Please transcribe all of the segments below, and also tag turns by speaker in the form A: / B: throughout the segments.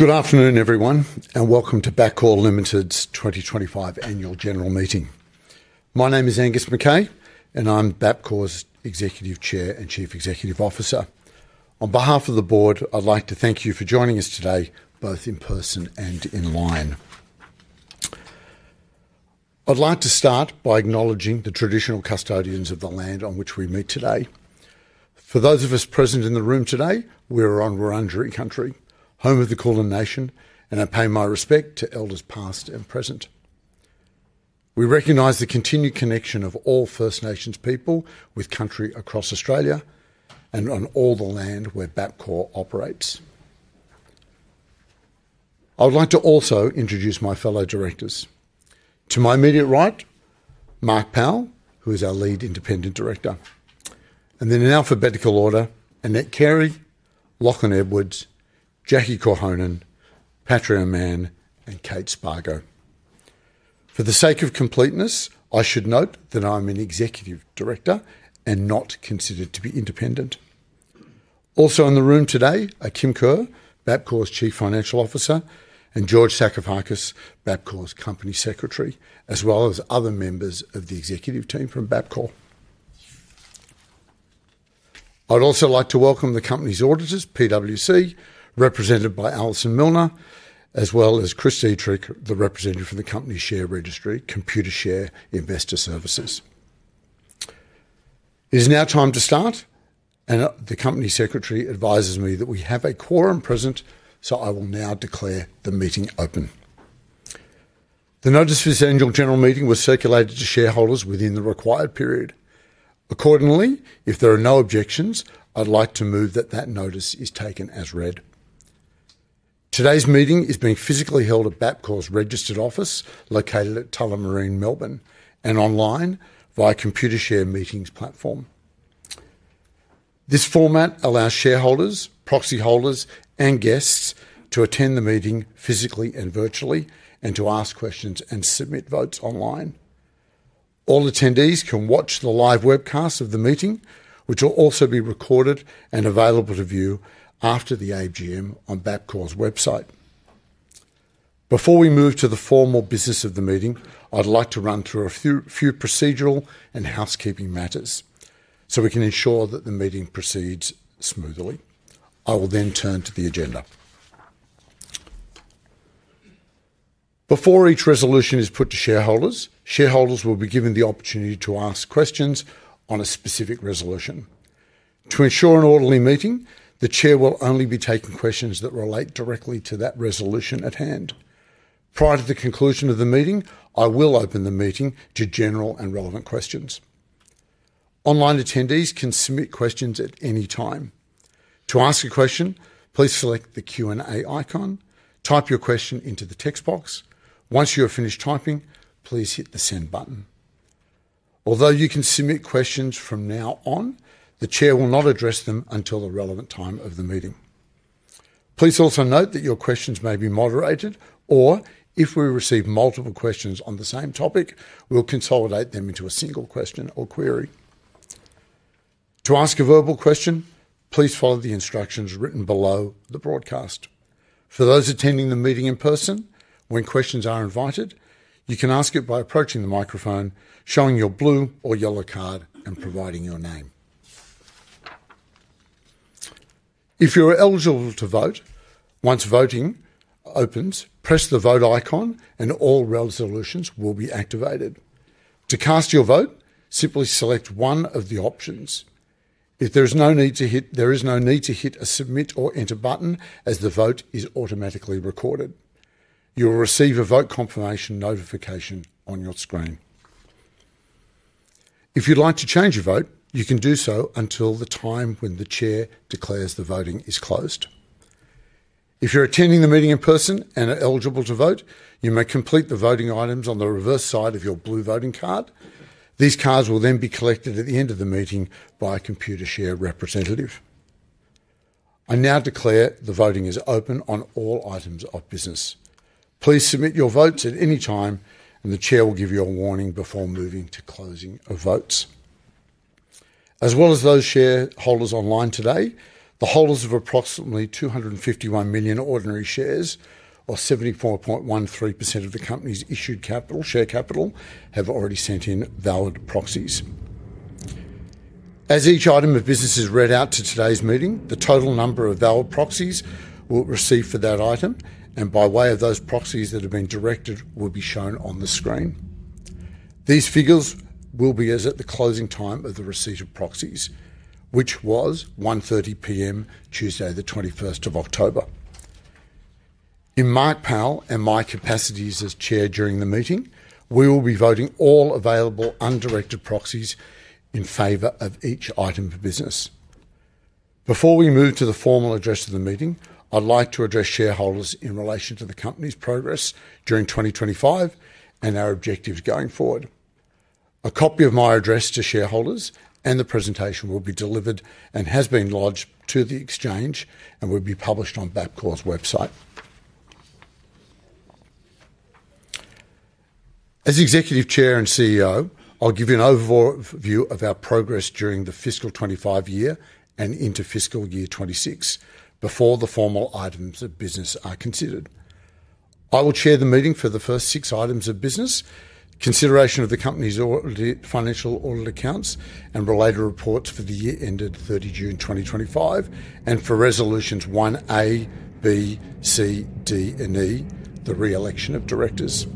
A: Good afternoon, everyone, and welcome to Bapcor Limited's 2025 annual general meeting. My name is Angus McKay, and I'm Bapcor's Executive Chair and Chief Executive Officer. On behalf of the Board, I'd like to thank you for joining us today, both in person and online. I'd like to start by acknowledging the traditional custodians of the land on which we meet today. For those of us present in the room today, we are on Wurundjeri Country, home of the Kulin Nation, and I pay my respect to elders past and present. We recognize the continued connection of all First Nations people with Country across Australia and on all the land where Bapcor operates. I would like to also introduce my fellow Directors. To my immediate right, Mark Powell, who is our Lead Independent Director, and in alphabetical order, Annette Carey, Lachlan Edwards, Jackie Korhonen, Patria Mann, and Kate Spargo. For the sake of completeness, I should note that I am an Executive Director and not considered to be independent. Also in the room today are Kim Kerr, Bapcor's Chief Financial Officer, and George Sakoufakis, Bapcor's Company Secretary, as well as other members of the executive team from Bapcor. I'd also like to welcome the company's auditors, PwC, represented by Alison Milner, as well as Chris Dietrich, the representative for the company's share registry, Computershare Investor Services. It is now time to start, and the Company Secretary advises me that we have a quorum present, so I will now declare the meeting open. The notice for this annual general meeting was circulated to shareholders within the required period. Accordingly, if there are no objections, I'd like to move that that notice is taken as read. Today's meeting is being physically held at Bapcor's registered office, located at Tullamarine, Melbourne, and online via the Computershare Meetings platform. This format allows shareholders, proxy holders, and guests to attend the meeting physically and virtually, and to ask questions and submit votes online. All attendees can watch the live webcast of the meeting, which will also be recorded and available to view after the AGM on Bapcor's website. Before we move to the formal business of the meeting, I'd like to run through a few procedural and housekeeping matters so we can ensure that the meeting proceeds smoothly. I will then turn to the agenda. Before each resolution is put to shareholders, shareholders will be given the opportunity to ask questions on a specific resolution. To ensure an orderly meeting, the Chair will only be taking questions that relate directly to that resolution at hand. Prior to the conclusion of the meeting, I will open the meeting to general and relevant questions. Online attendees can submit questions at any time. To ask a question, please select the Q&A icon, type your question into the text box. Once you have finished typing, please hit the send button. Although you can submit questions from now on, the Chair will not address them until the relevant time of the meeting. Please also note that your questions may be moderated, or if we receive multiple questions on the same topic, we'll consolidate them into a single question or query. To ask a verbal question, please follow the instructions written below the broadcast. For those attending the meeting in person, when questions are invited, you can ask it by approaching the microphone, showing your blue or yellow card, and providing your name. If you are eligible to vote, once voting opens, press the vote icon and all resolutions will be activated. To cast your vote, simply select one of the options. There is no need to hit a submit or enter button, as the vote is automatically recorded. You will receive a vote confirmation notification on your screen. If you'd like to change your vote, you can do so until the time when the Chair declares the voting is closed. If you're attending the meeting in person and are eligible to vote, you may complete the voting items on the reverse side of your blue voting card. These cards will then be collected at the end of the meeting by a Computershare representative. I now declare the voting is open on all items of business. Please submit your votes at any time, and the Chair will give you a warning before moving to closing of votes. As well as those shareholders online today, the holders of approximately 251 million ordinary shares, or 74.13% of the company's issued share capital, have already sent in valid proxies. As each item of business is read out to today's meeting, the total number of valid proxies we receive for that item, and by way of those proxies that have been directed, will be shown on the screen. These figures will be as at the closing time of the receipt of proxies, which was 1:30 P.M. Tuesday, the 21st of October. In my power and my capacities as Chair during the meeting, we will be voting all available undirected proxies in favor of each item of business. Before we move to the formal address of the meeting, I'd like to address shareholders in relation to the company's progress during 2025 and our objectives going forward. A copy of my address to shareholders and the presentation will be delivered and has been lodged to the Exchange and will be published on Bapcor's website. As Executive Chair and CEO, I'll give you an overview of our progress during the fiscal 2025 year and into fiscal year 2026 before the formal items of business are considered. I will chair the meeting for the first six items of business: consideration of the company's financial audit accounts and related reports for the year ended June 30, 2025, and for Resolutions 1A, B, C, D, and E, the re-election of Directors.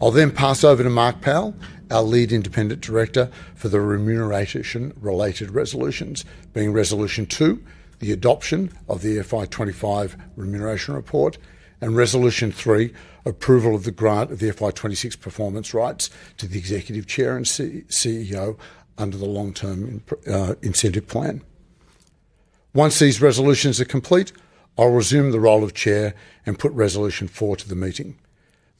A: I'll then pass over to Mark Powell, our Lead Independent Director, for the remuneration-related resolutions, being Resolution 2, the adoption of the FY 2025 remuneration report, and Resolution 3, approval of the grant of the FY 2026 performance rights to the Executive Chair and CEO under the Long-Term Incentive Plan. Once these resolutions are complete, I'll resume the role of Chair and put Resolution 4 to the meeting,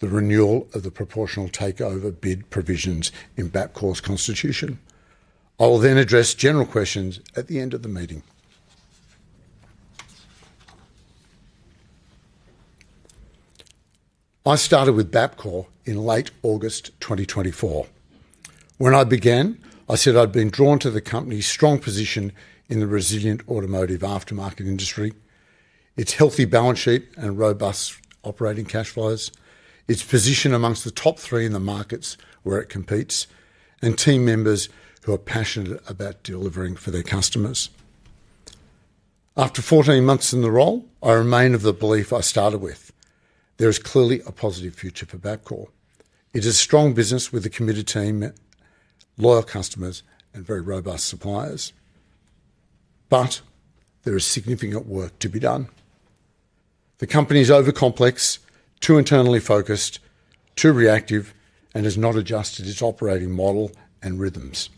A: the renewal of the Proportional Takeover Bid provisions in Bapcor's Constitution. I will then address general questions at the end of the meeting. I started with Bapcor in late August 2024. When I began, I said I'd been drawn to the company's strong position in the resilient automotive aftermarket industry, its healthy balance sheet and robust operating cash flows, its position amongst the top three in the markets where it competes, and team members who are passionate about delivering for their customers. After 14 months in the role, I remain of the belief I started with. There is clearly a positive future for Bapcor. It is a strong business with a committed team, loyal customers, and very robust suppliers. There is significant work to be done. The company is overcomplex, too internally focused, too reactive, and has not adjusted its operating model and rhythms.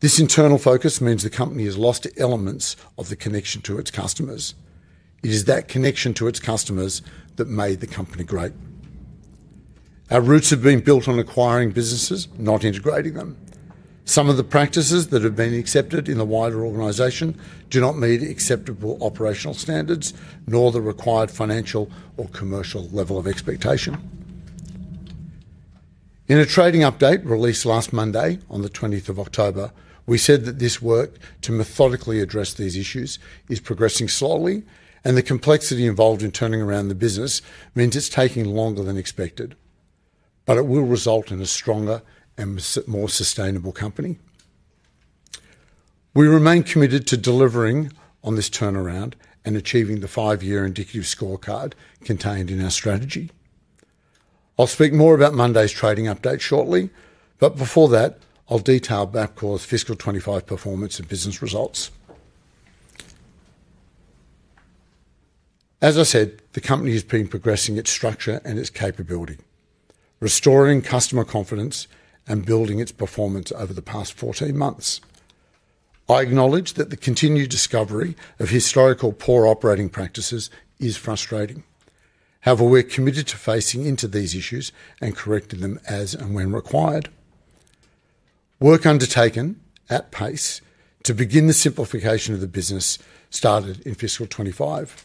A: This internal focus means the company has lost elements of the connection to its customers. It is that connection to its customers that made the company great. Our roots have been built on acquiring businesses, not integrating them. Some of the practices that have been accepted in the wider organization do not meet acceptable operational standards, nor the required financial or commercial level of expectation. In a trading update released last Monday on the 20th of October, we said that this work to methodically address these issues is progressing slowly, and the complexity involved in turning around the business means it's taking longer than expected. It will result in a stronger and more sustainable company. We remain committed to delivering on this turnaround and achieving the five-year indicative scorecard contained in our strategy. I'll speak more about Monday's trading update shortly, but before that, I'll detail Bapcor's fiscal 2025 performance and business results. As I said, the company has been progressing its structure and its capability, restoring customer confidence and building its performance over the past 14 months. I acknowledge that the continued discovery of historical poor operating practices is frustrating. However, we're committed to facing into these issues and correcting them as and when required. Work undertaken at pace to begin the simplification of the business started in fiscal 25.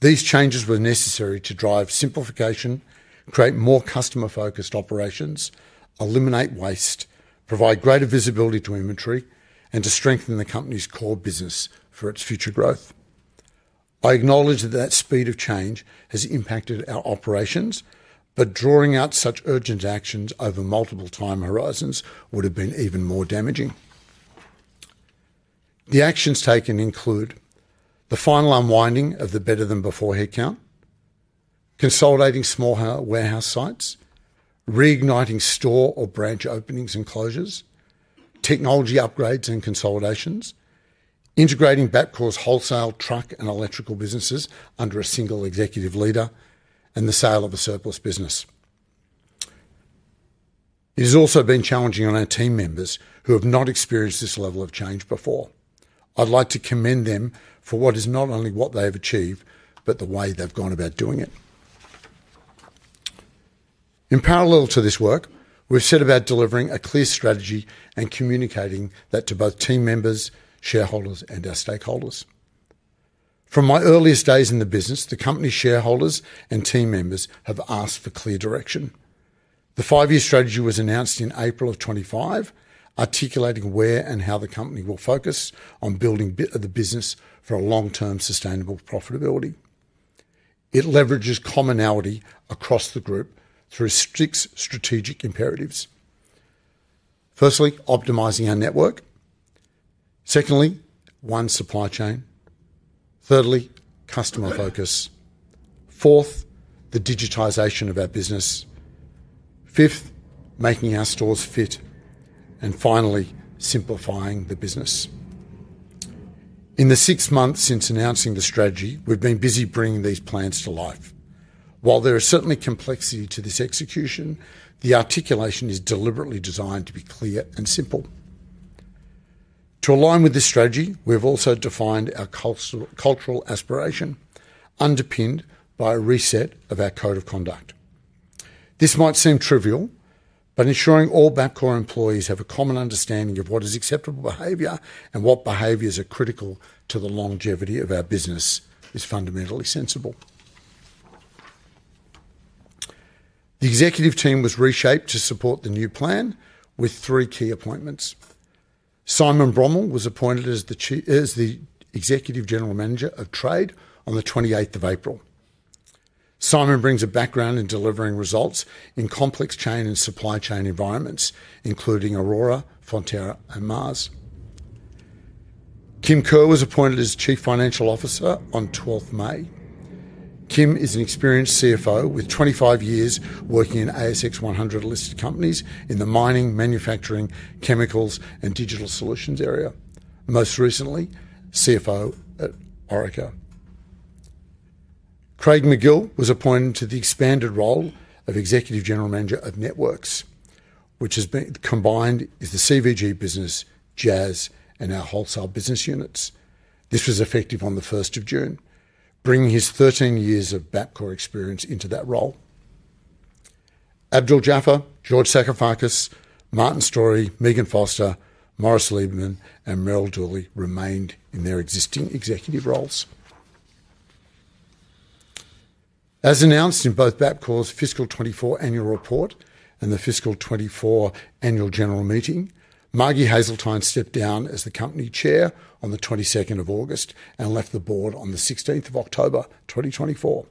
A: These changes were necessary to drive simplification, create more customer-focused operations, eliminate waste, provide greater visibility to inventory, and to strengthen the company's core business for its future growth. I acknowledge that that speed of change has impacted our operations, but drawing out such urgent actions over multiple time horizons would have been even more damaging. The actions taken include the final unwinding of the Better-Than-Before Headcount, consolidating small warehouse sites, reigniting store or branch openings and closures, technology upgrades and consolidations, integrating Bapcor's wholesale truck and electrical businesses under a single executive leader, and the sale of a surplus business. It has also been challenging on our team members who have not experienced this level of change before. I'd like to commend them for what is not only what they have achieved, but the way they've gone about doing it. In parallel to this work, we've set about delivering a clear strategy and communicating that to both team members, shareholders, and our stakeholders. From my earliest days in the business, the company's shareholders and team members have asked for clear direction. The five-year strategy was announced in April of 2025, articulating where and how the company will focus on building the business for long-term sustainable profitability. It leverages commonality across the group through strict strategic imperatives. Firstly, optimizing our network. Secondly, one supply chain. Thirdly, customer focus. Fourth, the digitization of our business. Fifth, making our stores fit. Finally, simplifying the business. In the six months since announcing the strategy, we've been busy bringing these plans to life. While there is certainly complexity to this execution, the articulation is deliberately designed to be clear and simple. To align with this strategy, we've also defined our cultural aspiration, underpinned by a reset of our code of conduct. This might seem trivial, but ensuring all Bapcor employees have a common understanding of what is acceptable behavior and what behaviors are critical to the longevity of our business is fundamentally sensible. The executive team was reshaped to support the new plan with three key appointments. Simon Bromwell was appointed as the Executive General Manager of Trade on the 28th of April. Simon brings a background in delivering results in complex chain and supply chain environments, including Aurora, Fonterra, and Mars. Kim Kerr was appointed as Chief Financial Officer on 12th May. Kim is an experienced CFO with 25 years working in ASX 100 listed companies in the mining, manufacturing, chemicals, and digital solutions area, and most recently, CFO at Oracle. Craig Magill was appointed to the expanded role of Executive General Manager of Networks, which has been combined with the CVG business, JAS, and our wholesale business units. This was effective on the 1st of June, bringing his 13 years of Bapcor experience into that role. Abdul Jaafar, George Sakoufakis, Martin Storey, Megan Foster, Morris Lieberman, and Merryl Dooley remained in their existing executive roles. As announced in both Bapcor's fiscal 2024 annual report and the fiscal 2024 annual general meeting, Margie Haseltine stepped down as the company chair on the 22nd of August and left the board on the 16th of October 2024.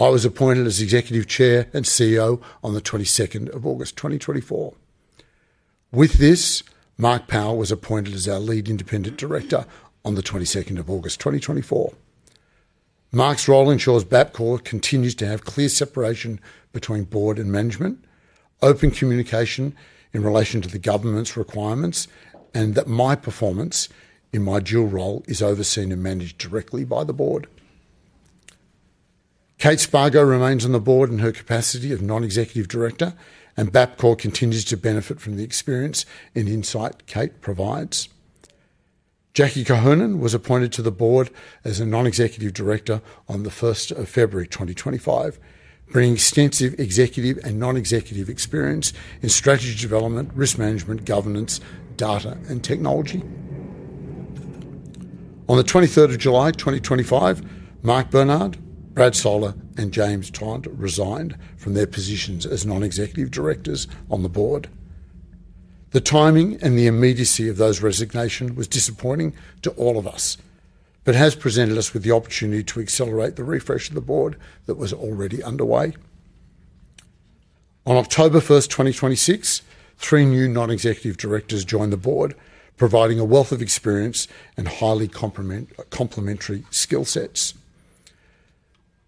A: I was appointed as Executive Chair and CEO on the 22nd of August 2024. With this, Mark Powell was appointed as our Lead Independent Director on the 22nd of August 2024. Mark's role ensures Bapcor continues to have clear separation between board and management, open communication in relation to the government's requirements, and that my performance in my dual role is overseen and managed directly by the board. Kate Spargo remains on the board in her capacity of Non-Executive Director, and Bapcor continues to benefit from the experience and insight Kate provides. Jackie Korhonen was appointed to the board as a Non-Executive Director on 1st of February, 2025, bringing extensive executive and non-executive experience in strategy development, risk management, governance, data, and technology. On July 2025, Mark Bernhard, Brad Soller, and James Todd resigned from their positions as Non-Executive Directors on the board. The timing and the immediacy of those resignations was disappointing to all of us, but it has presented us with the opportunity to accelerate the refresh of the board that was already underway. On October 1st, 2026, three new Non-Executive Directors joined the board, providing a wealth of experience and highly complementary skill sets.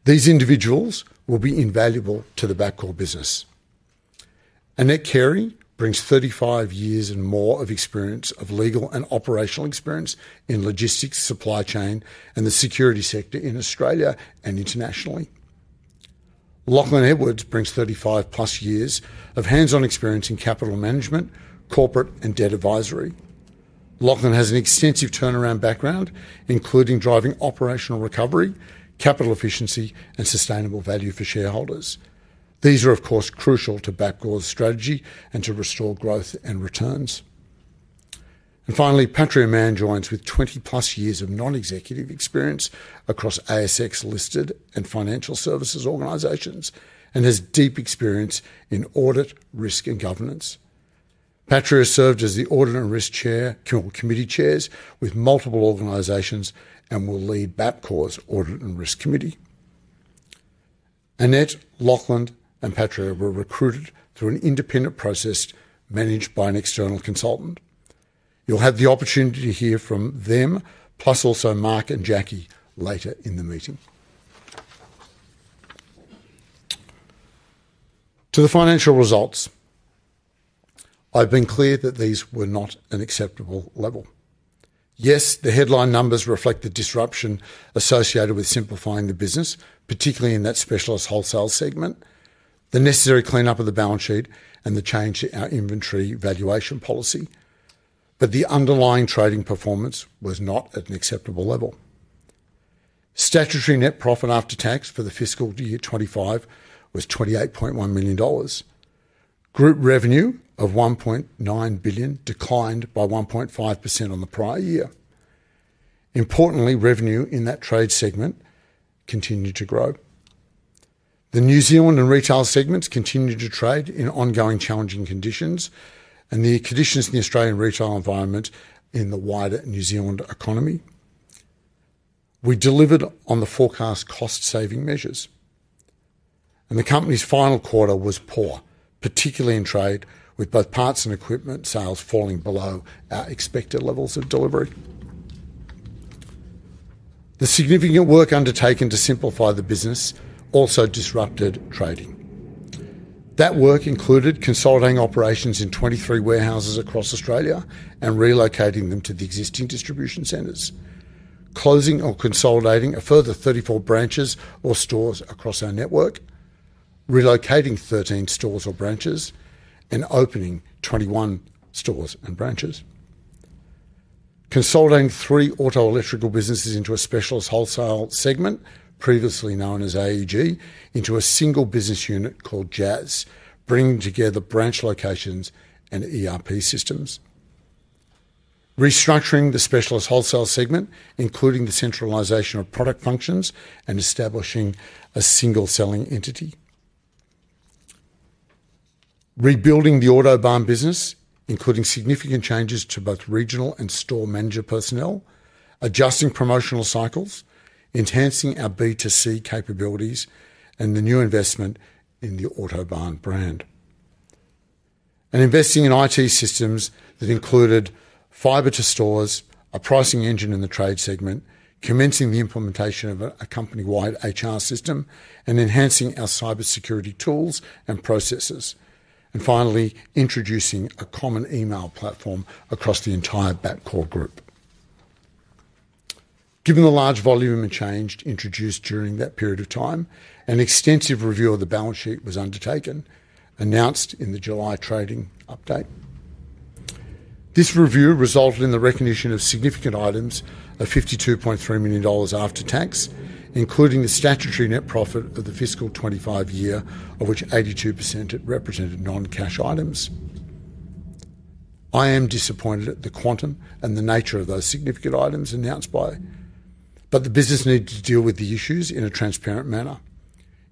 A: These individuals will be invaluable to the Bapcor business. Annette Carey brings 35 years and more of legal and operational experience in logistics, supply chain, and the security sector in Australia and internationally. Lachlan Edwards brings 35+ years of hands-on experience in capital management, corporate, and debt advisory. Lachlan has an extensive turnaround background, including driving operational recovery, capital efficiency, and sustainable value for shareholders. These are, of course, crucial to Bapcor's strategy and to restore growth and returns. Finally, Patria Mann joins with 20+ years of non-executive experience across ASX listed and financial services organizations and has deep experience in audit, risk, and governance. Patria has served as the Audit and Risk Committee Chair with multiple organizations and will lead Bapcor's Audit and Risk Committee. Annette, Lachlan, and Patria were recruited through an independent process managed by an external consultant. You'll have the opportunity to hear from them, plus also Mark and Jackie later in the meeting. To the financial results, I've been clear that these were not an acceptable level. Yes, the headline numbers reflect the disruption associated with simplifying the business, particularly in that specialist wholesale segment, the necessary clean-up of the balance sheet, and the change to our inventory valuation policy, but the underlying trading performance was not at an acceptable level. Statutory net profit after tax for the FY 2025 was $28.1 million. Group revenue of $1.9 billion declined by 1.5% on the prior year. Importantly, revenue in that trade segment continued to grow. The New Zealand and retail segments continued to trade in ongoing challenging conditions and the conditions in the Australian retail environment in the wider New Zealand economy. We delivered on the forecast cost-saving measures. The company's final quarter was poor, particularly in trade, with both parts and equipment sales falling below our expected levels of delivery. The significant work undertaken to simplify the business also disrupted trading. That work included consolidating operations in 23 warehouses across Australia and relocating them to the existing distribution centers, closing or consolidating a further 34 branches or stores across our network, relocating 13 stores or branches, and opening 21 stores and branches. Consolidating three auto electrical businesses into a specialist wholesale segment, previously known as A.E.G., into a single business unit called JAS, bringing together branch locations and ERP systems. Restructuring the specialist wholesale segment, including the centralization of product functions and establishing a single selling entity. Rebuilding the Autobarn business, including significant changes to both regional and store manager personnel, adjusting promotional cycles, enhancing our B2C capabilities, and the new investment in the Autobarn brand. Investing in IT systems that included fiber to stores, a pricing engine in the trade segment, commencing the implementation of a company-wide HR system, and enhancing our cybersecurity tools and processes. Finally, introducing a common email platform across the entire Bapcor group. Given the large volume and change introduced during that period of time, an extensive review of the balance sheet was undertaken, announced in the July trading update. This review resulted in the recognition of significant items of $52.3 million after tax, including the statutory net profit of the FY 2025 year, of which 82% represented non-cash items. I am disappointed at the quantum and the nature of those significant items announced by, but the business needs to deal with the issues in a transparent manner.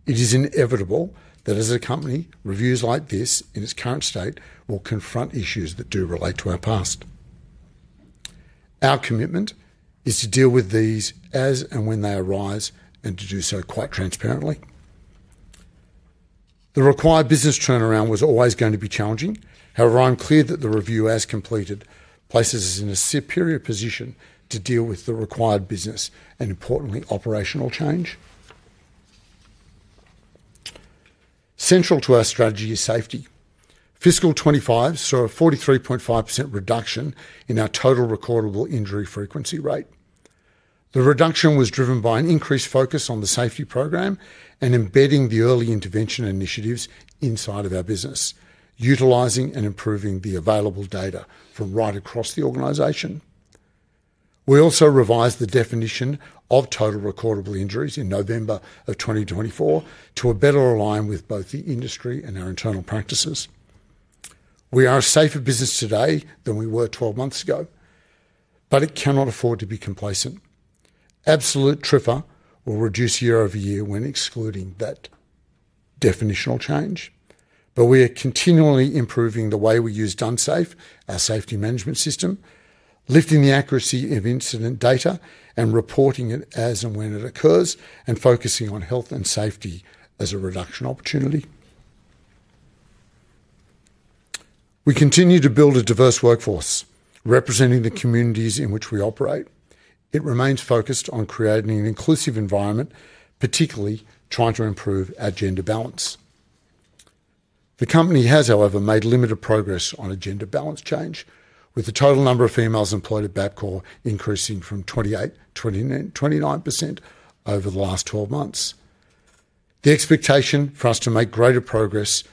A: It is inevitable that as a company, reviews like this in its current state will confront issues that do relate to our past. Our commitment is to deal with these as and when they arise and to do so quite transparently. The required business turnaround was always going to be challenging. However, I'm clear that the review as completed places us in a superior position to deal with the required business and importantly operational change. Central to our strategy is safety. Fiscal 2025 saw a 43.5% reduction in our total recordable injury frequency rate. The reduction was driven by an increased focus on the safety program and embedding the early intervention initiatives inside of our business, utilizing and improving the available data from right across the organization. We also revised the definition of total recordable injuries in November of 2024 to better align with both the industry and our internal practices. We are a safer business today than we were 12 months ago, but it cannot afford to be complacent. Absolute TRIFR will reduce year over year when excluding that definitional change, but we are continually improving the way we use Donesafe, our safety management system, lifting the accuracy of incident data and reporting it as and when it occurs, and focusing on health and safety as a reduction opportunity. We continue to build a diverse workforce representing the communities in which we operate. It remains focused on creating an inclusive environment, particularly trying to improve our gender balance. The company has, however, made limited progress on a gender balance change, with the total number of females employed at Bapcor increasing from 28%-29% over the last 12 months. The expectation for us to make greater progress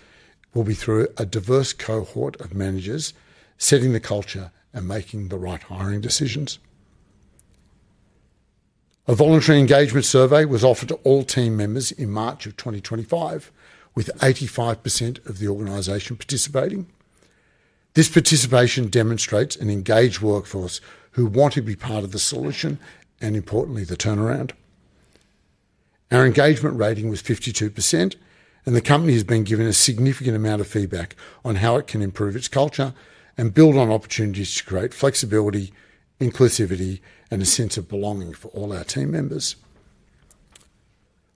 A: will be through a diverse cohort of managers, setting the culture and making the right hiring decisions. A voluntary engagement survey was offered to all team members in March of 2025, with 85% of the organization participating. This participation demonstrates an engaged workforce who want to be part of the solution and importantly the turnaround. Our engagement rating was 52%, and the company has been given a significant amount of feedback on how it can improve its culture and build on opportunities to create flexibility, inclusivity, and a sense of belonging for all our team members.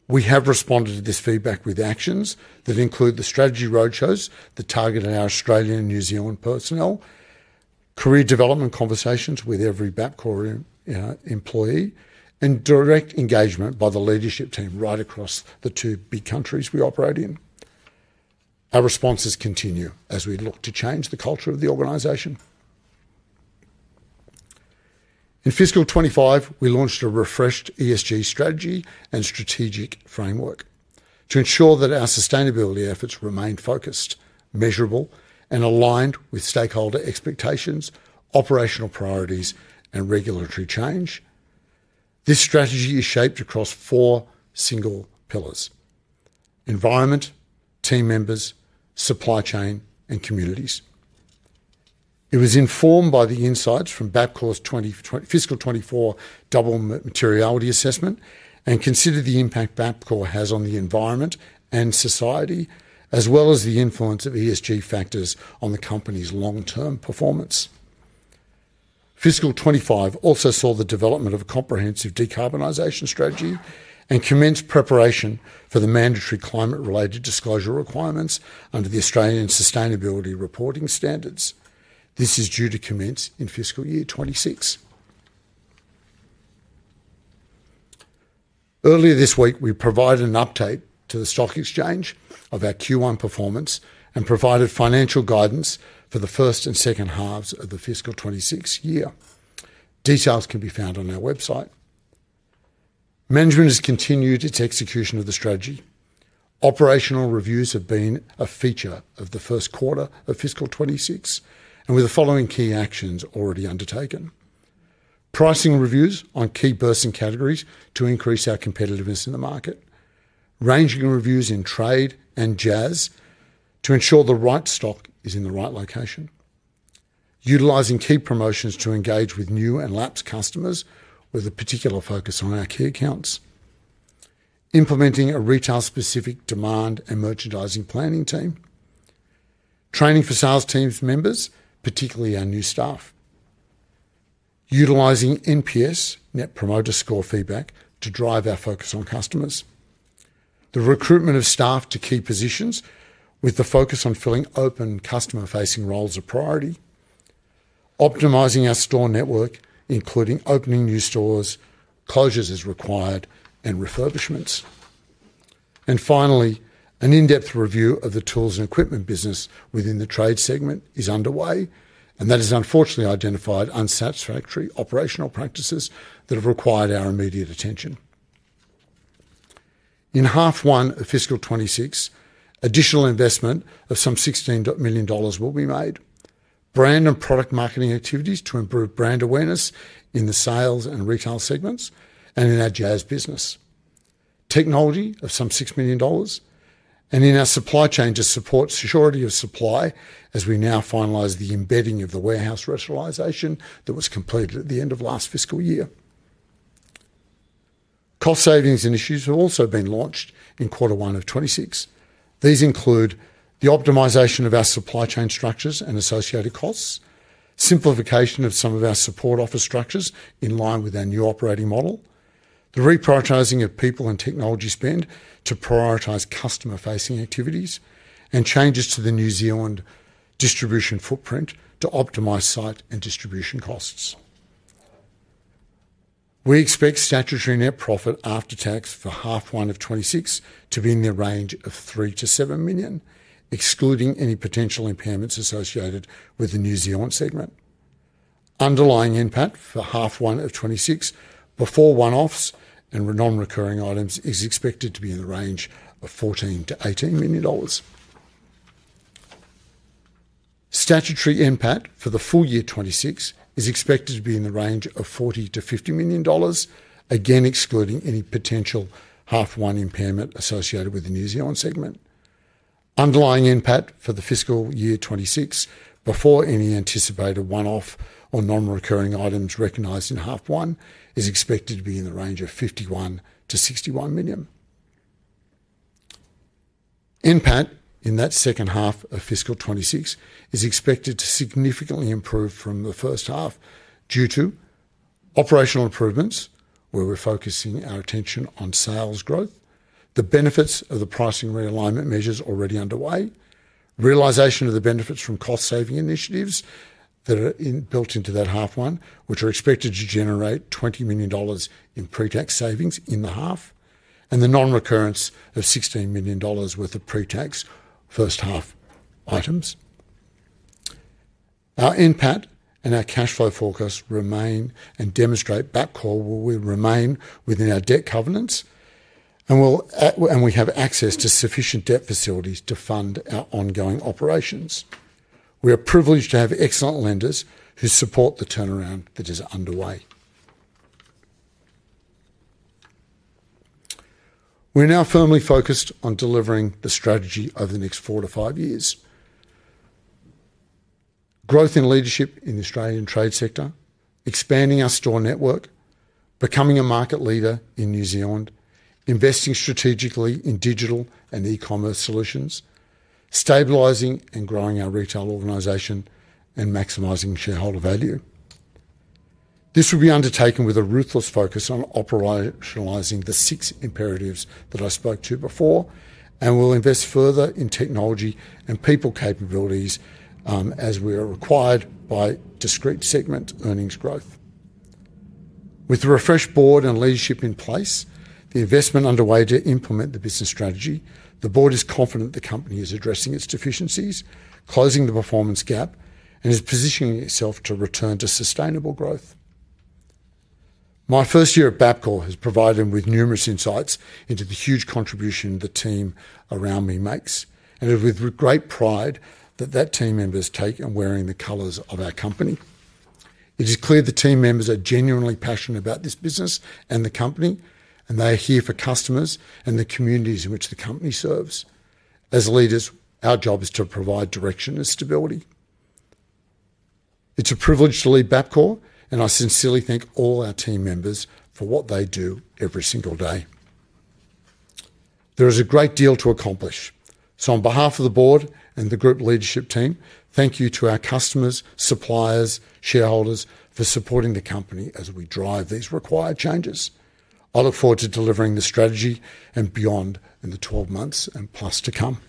A: We have responded to this feedback with actions that include the strategy roadshows that target our Australian and New Zealand personnel, career development conversations with every Bapcor employee, and direct engagement by the leadership team right across the two big countries we operate in. Our responses continue as we look to change the culture of the organization. In FY 2025, we launched a refreshed ESG strategy and strategic framework to ensure that our sustainability efforts remain focused, measurable, and aligned with stakeholder expectations, operational priorities, and regulatory change. This strategy is shaped across four single pillars: environment, team members, supply chain, and communities. It was informed by the insights from Bapcor's FY 2024 double materiality assessment and considered the impact Bapcor has on the environment and society, as well as the influence of ESG factors on the company's long-term performance. FY 2025 also saw the development of a comprehensive decarbonization strategy and commenced preparation for the mandatory climate-related disclosure requirements under the Australian Sustainability Reporting Standards. This is due to commence in FY 2026. Earlier this week, we provided an update to the Stock Exchange of our Q1 performance and provided financial guidance for the first and second halves of the FY 2026 year. Details can be found on our website. Management has continued its execution of the strategy. Operational reviews have been a feature of the first quarter of FY 2026, with the following key actions already undertaken: pricing reviews on key bursting categories to increase our competitiveness in the market, ranging reviews in trade and JAS to ensure the right stock is in the right location, utilizing key promotions to engage with new and lapsed customers with a particular focus on our key accounts, implementing a retail-specific demand and merchandising planning team, training for sales team members, particularly our new staff, utilizing NPS, Net Promoter Score feedback, to drive our focus on customers, the recruitment of staff to key positions with the focus on filling open customer-facing roles of priority, optimizing our store network, including opening new stores, closures as required, and refurbishments. Finally, an in-depth review of the tools and equipment business within the trade segment is underway, and that has unfortunately identified unsatisfactory operational practices that have required our immediate attention. In half one of FY 2026, additional investment of some $16 million will be made: brand and product marketing activities to improve brand awareness in the sales and retail segments, and in our JAS business, technology of some $6 million, and in our supply chain to support the surety of supply as we now finalize the embedding of the warehouse rationalization that was completed at the end of last fiscal year. Cost savings and issues have also been launched in quarter one of FY 2026. These include the optimization of our supply chain structures and associated costs, simplification of some of our support office structures in line with our new operating model, the reprioritizing of people and technology spend to prioritize customer-facing activities, and changes to the New Zealand distribution footprint to optimize site and distribution costs. We expect statutory net profit after tax for half one of FY 2026 to be in the range of $3 million-$7 million, excluding any potential impairments associated with the New Zealand segment. Underlying impact for half one of FY 2026 before one-offs and non-recurring items is expected to be in the range of $14 million-$18 million. Statutory impact for the full year FY 2026 is expected to be in the range of $40 million-$50 million, again excluding any potential half one impairment associated with the New Zealand segment. Underlying impact for the fiscal year 2026 before any anticipated one-off or non-recurring items recognized in half one is expected to be in the range of $51 million-$61 million. Impact in that second half of fiscal 2026 is expected to significantly improve from the first half due to operational improvements, where we're focusing our attention on sales growth, the benefits of the pricing realignment measures already underway, realization of the benefits from cost-saving initiatives that are built into that half one, which are expected to generate $20 million in pre-tax savings in the half, and the non-recurrence of $16 million worth of pre-tax first half items. Our impact and our cash flow forecast remain and demonstrate Bapcor will remain within our debt covenants, and we have access to sufficient debt facilities to fund our ongoing operations. We are privileged to have excellent lenders who support the turnaround that is underway. We're now firmly focused on delivering the strategy over the next four to five years. Growth in leadership in the Australian trade sector, expanding our store network, becoming a market leader in New Zealand, investing strategically in digital and e-commerce solutions, stabilizing and growing our retail organization, and maximizing shareholder value. This will be undertaken with a ruthless focus on operationalizing the six imperatives that I spoke to before, and we'll invest further in technology and people capabilities as we are required by discrete segment earnings growth. With the refreshed board and leadership in place, the investment underway to implement the business strategy, the board is confident the company is addressing its deficiencies, closing the performance gap, and is positioning itself to return to sustainable growth. My first year at Bapcor has provided me with numerous insights into the huge contribution the team around me makes, and it is with great pride that that team members take on wearing the colors of our company. It is clear the team members are genuinely passionate about this business and the company, and they are here for customers and the communities in which the company serves. As leaders, our job is to provide direction and stability. It's a privilege to lead Bapcor, and I sincerely thank all our team members for what they do every single day. There is a great deal to accomplish. On behalf of the board and the group leadership team, thank you to our customers, suppliers, and shareholders for supporting the company as we drive these required changes. I look forward to delivering the strategy and beyond in the 12 months and plus to come.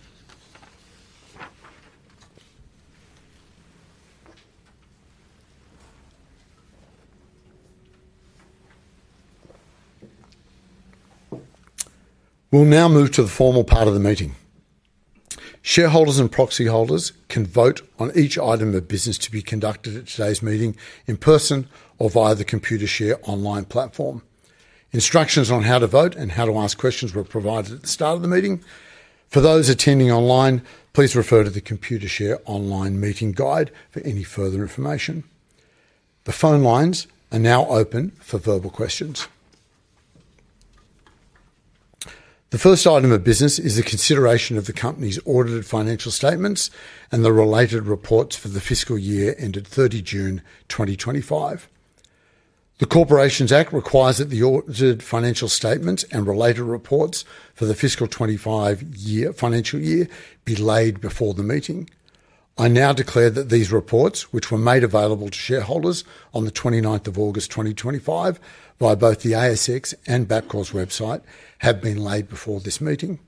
A: We'll now move to the formal part of the meeting. Shareholders and proxy holders can vote on each item of business to be conducted at today's meeting in person or via the Computershare online platform. Instructions on how to vote and how to ask questions were provided at the start of the meeting. For those attending online, please refer to the Computershare online meeting guide for any further information. The phone lines are now open for verbal questions. The first item of business is the consideration of the company's audited financial statements and the related reports for the fiscal year ended 30 June 2025. The Corporations Act requires that the audited financial statements and related reports for the FY 2025 financial year be laid before the meeting. I now declare that these reports, which were made available to shareholders on 29th of August 2025 by both the ASX and Bapcor's website, have been laid before this meeting.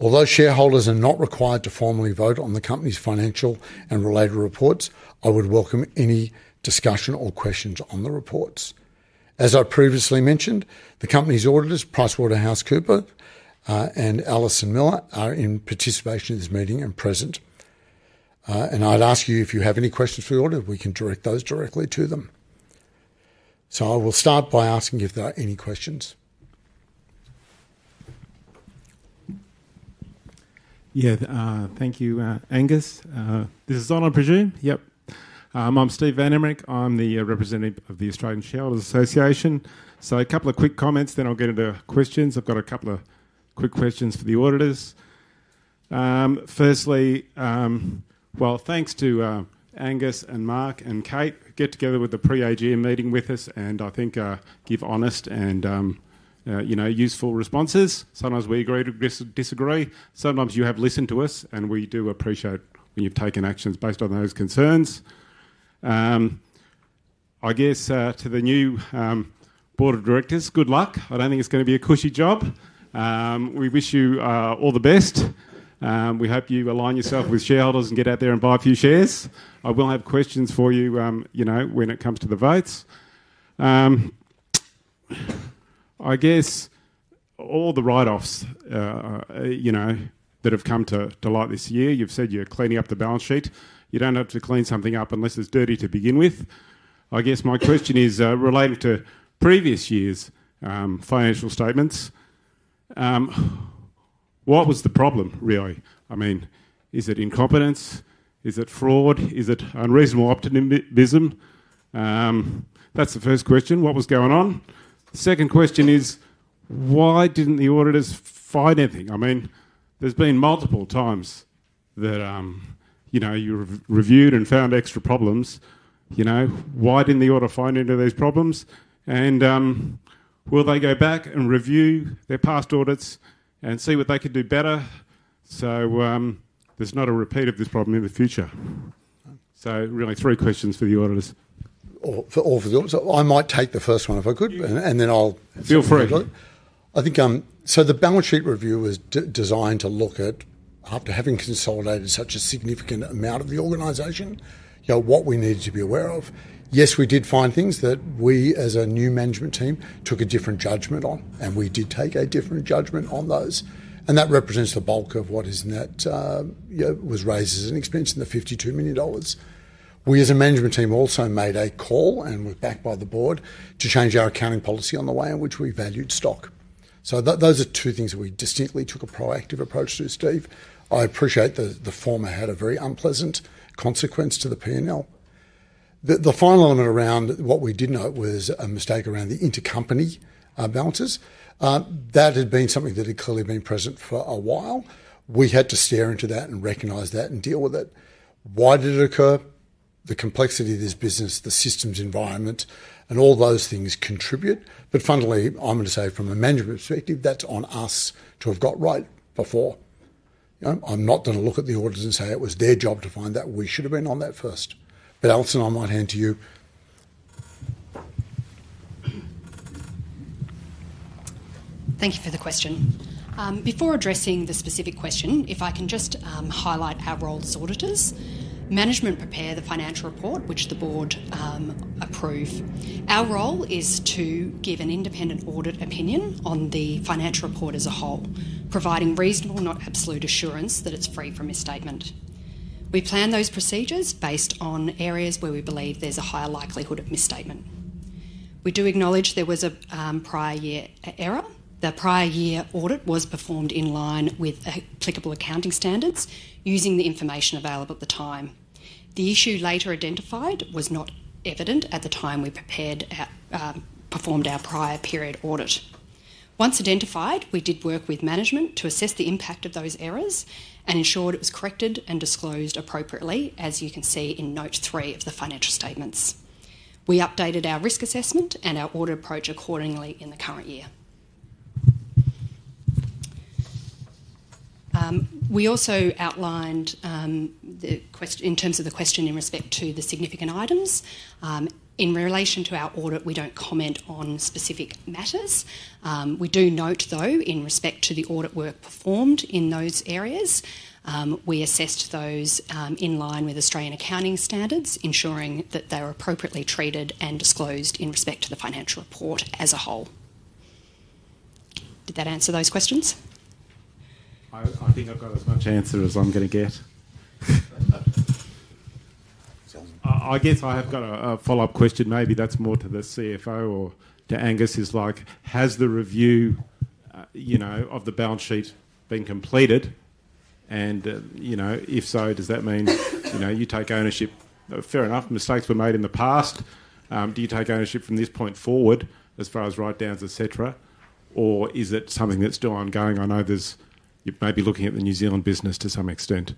A: Although shareholders are not required to formally vote on the company's financial and related reports, I would welcome any discussion or questions on the reports. As I previously mentioned, the company's auditors, PricewaterhouseCoopers and Alison Milner, are in participation in this meeting and present. If you have any questions for the auditor, we can direct those directly to them. I will start by asking if there are any questions.
B: Thank you, Angus. This is [Donald Bridget]. I'm Steve Van Emmerik. I'm the representative of the Australian Shareholders Association. A couple of quick comments, then I'll get into questions. I've got a couple of quick questions for the auditors. Firstly, thanks to Angus and Mark and Kate for getting together with the pre-AGM meeting with us and I think giving honest and, you know, useful responses. Sometimes we agree to disagree. Sometimes you have listened to us and we do appreciate when you've taken actions based on those concerns. To the new board of directors, good luck. I don't think it's going to be a cushy job. We wish you all the best. We hope you align yourself with shareholders and get out there and buy a few shares. I will have questions for you when it comes to the votes. I guess all the write-offs that have come to light this year, you've said you're cleaning up the balance sheet. You don't have to clean something up unless it's dirty to begin with. I guess my question is related to previous year's financial statements. What was the problem really? I mean, is it incompetence? Is it fraud? Is it unreasonable optimism? That's the first question. What was going on? The second question is, why didn't the auditors find anything? I mean, there's been multiple times that you reviewed and found extra problems. Why didn't the auditors find any of those problems? Will they go back and review their past audits and see what they could do better so there's not a repeat of this problem in the future? Really, three questions for the auditors.
A: For the auditors. I might take the first one if I could. Then I'll...
B: Feel free.
A: I think the balance sheet review was designed to look at, after having consolidated such a significant amount of the organization, you know, what we needed to be aware of. Yes, we did find things that we, as a new management team, took a different judgment on, and we did take a different judgment on those. That represents the bulk of what is in that, you know, was raised as an expense in the $52 million. We, as a management team, also made a call and were backed by the board to change our accounting policy on the way in which we valued stock. Those are two things that we distinctly took a proactive approach to, Steve. I appreciate that the former had a very unpleasant consequence to the P&L. The final element around what we did note was a mistake around the intercompany balances. That had been something that had clearly been present for a while. We had to steer into that and recognize that and deal with it. Why did it occur? The complexity of this business, the systems environment, and all those things contribute. Fundamentally, I'm going to say from a management perspective, that's on us to have got right before. I'm not going to look at the auditors and say it was their job to find that. We should have been on that first. Alison, I might hand to you.
C: Thank you for the question. Before addressing the specific question, if I can just highlight our role as auditors, management prepares the financial report, which the board approves. Our role is to give an independent audit opinion on the financial report as a whole, providing reasonable, not absolute, assurance that it's free from misstatement. We plan those procedures based on areas where we believe there's a higher likelihood of misstatement. We do acknowledge there was a prior year error. The prior year audit was performed in line with applicable accounting standards, using the information available at the time. The issue later identified was not evident at the time we prepared our prior period audit. Once identified, we did work with management to assess the impact of those errors and ensured it was corrected and disclosed appropriately, as you can see in note three of the financial statements. We updated our risk assessment and our audit approach accordingly in the current year. We also outlined the question in terms of the question in respect to the significant items. In relation to our audit, we don't comment on specific matters. We do note, though, in respect to the audit work performed in those areas, we assessed those in line with Australian accounting standards, ensuring that they were appropriately treated and disclosed in respect to the financial report as a whole. Did that answer those questions?
B: I think I've got as much answer as I'm going to get. I guess I have got a follow-up question. Maybe that's more to the CFO or to Angus, like, has the review of the balance sheet been completed? If so, does that mean you take ownership? Fair enough, mistakes were made in the past. Do you take ownership from this point forward as far as write-downs, et cetera, or is it something that's still ongoing? I know you may be looking at the New Zealand business to some extent.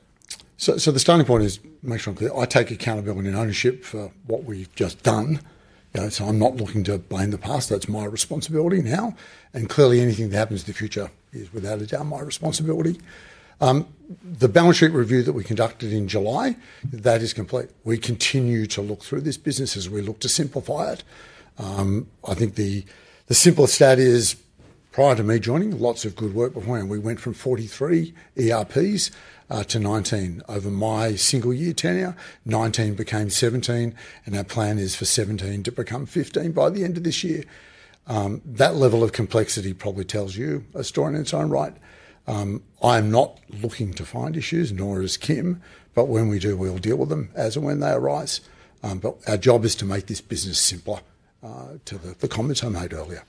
A: The starting point is, make sure I'm clear. I take accountability and ownership for what we've just done. I'm not looking to blame the past. That's my responsibility now, and clearly, anything that happens in the future is without a doubt my responsibility. The balance sheet review that we conducted in July is complete. We continue to look through this business as we look to simplify it. I think the simplest stat is, prior to me joining, lots of good work beforehand. We went from 43 ERPs to 19 over my single-year tenure. Nineteen became 17, and our plan is for 17 to become 15 by the end of this year. That level of complexity probably tells you a story in its own right. I am not looking to find issues, nor is Kim, but when we do, we'll deal with them as and when they arise. Our job is to make this business simpler to the comments I made earlier.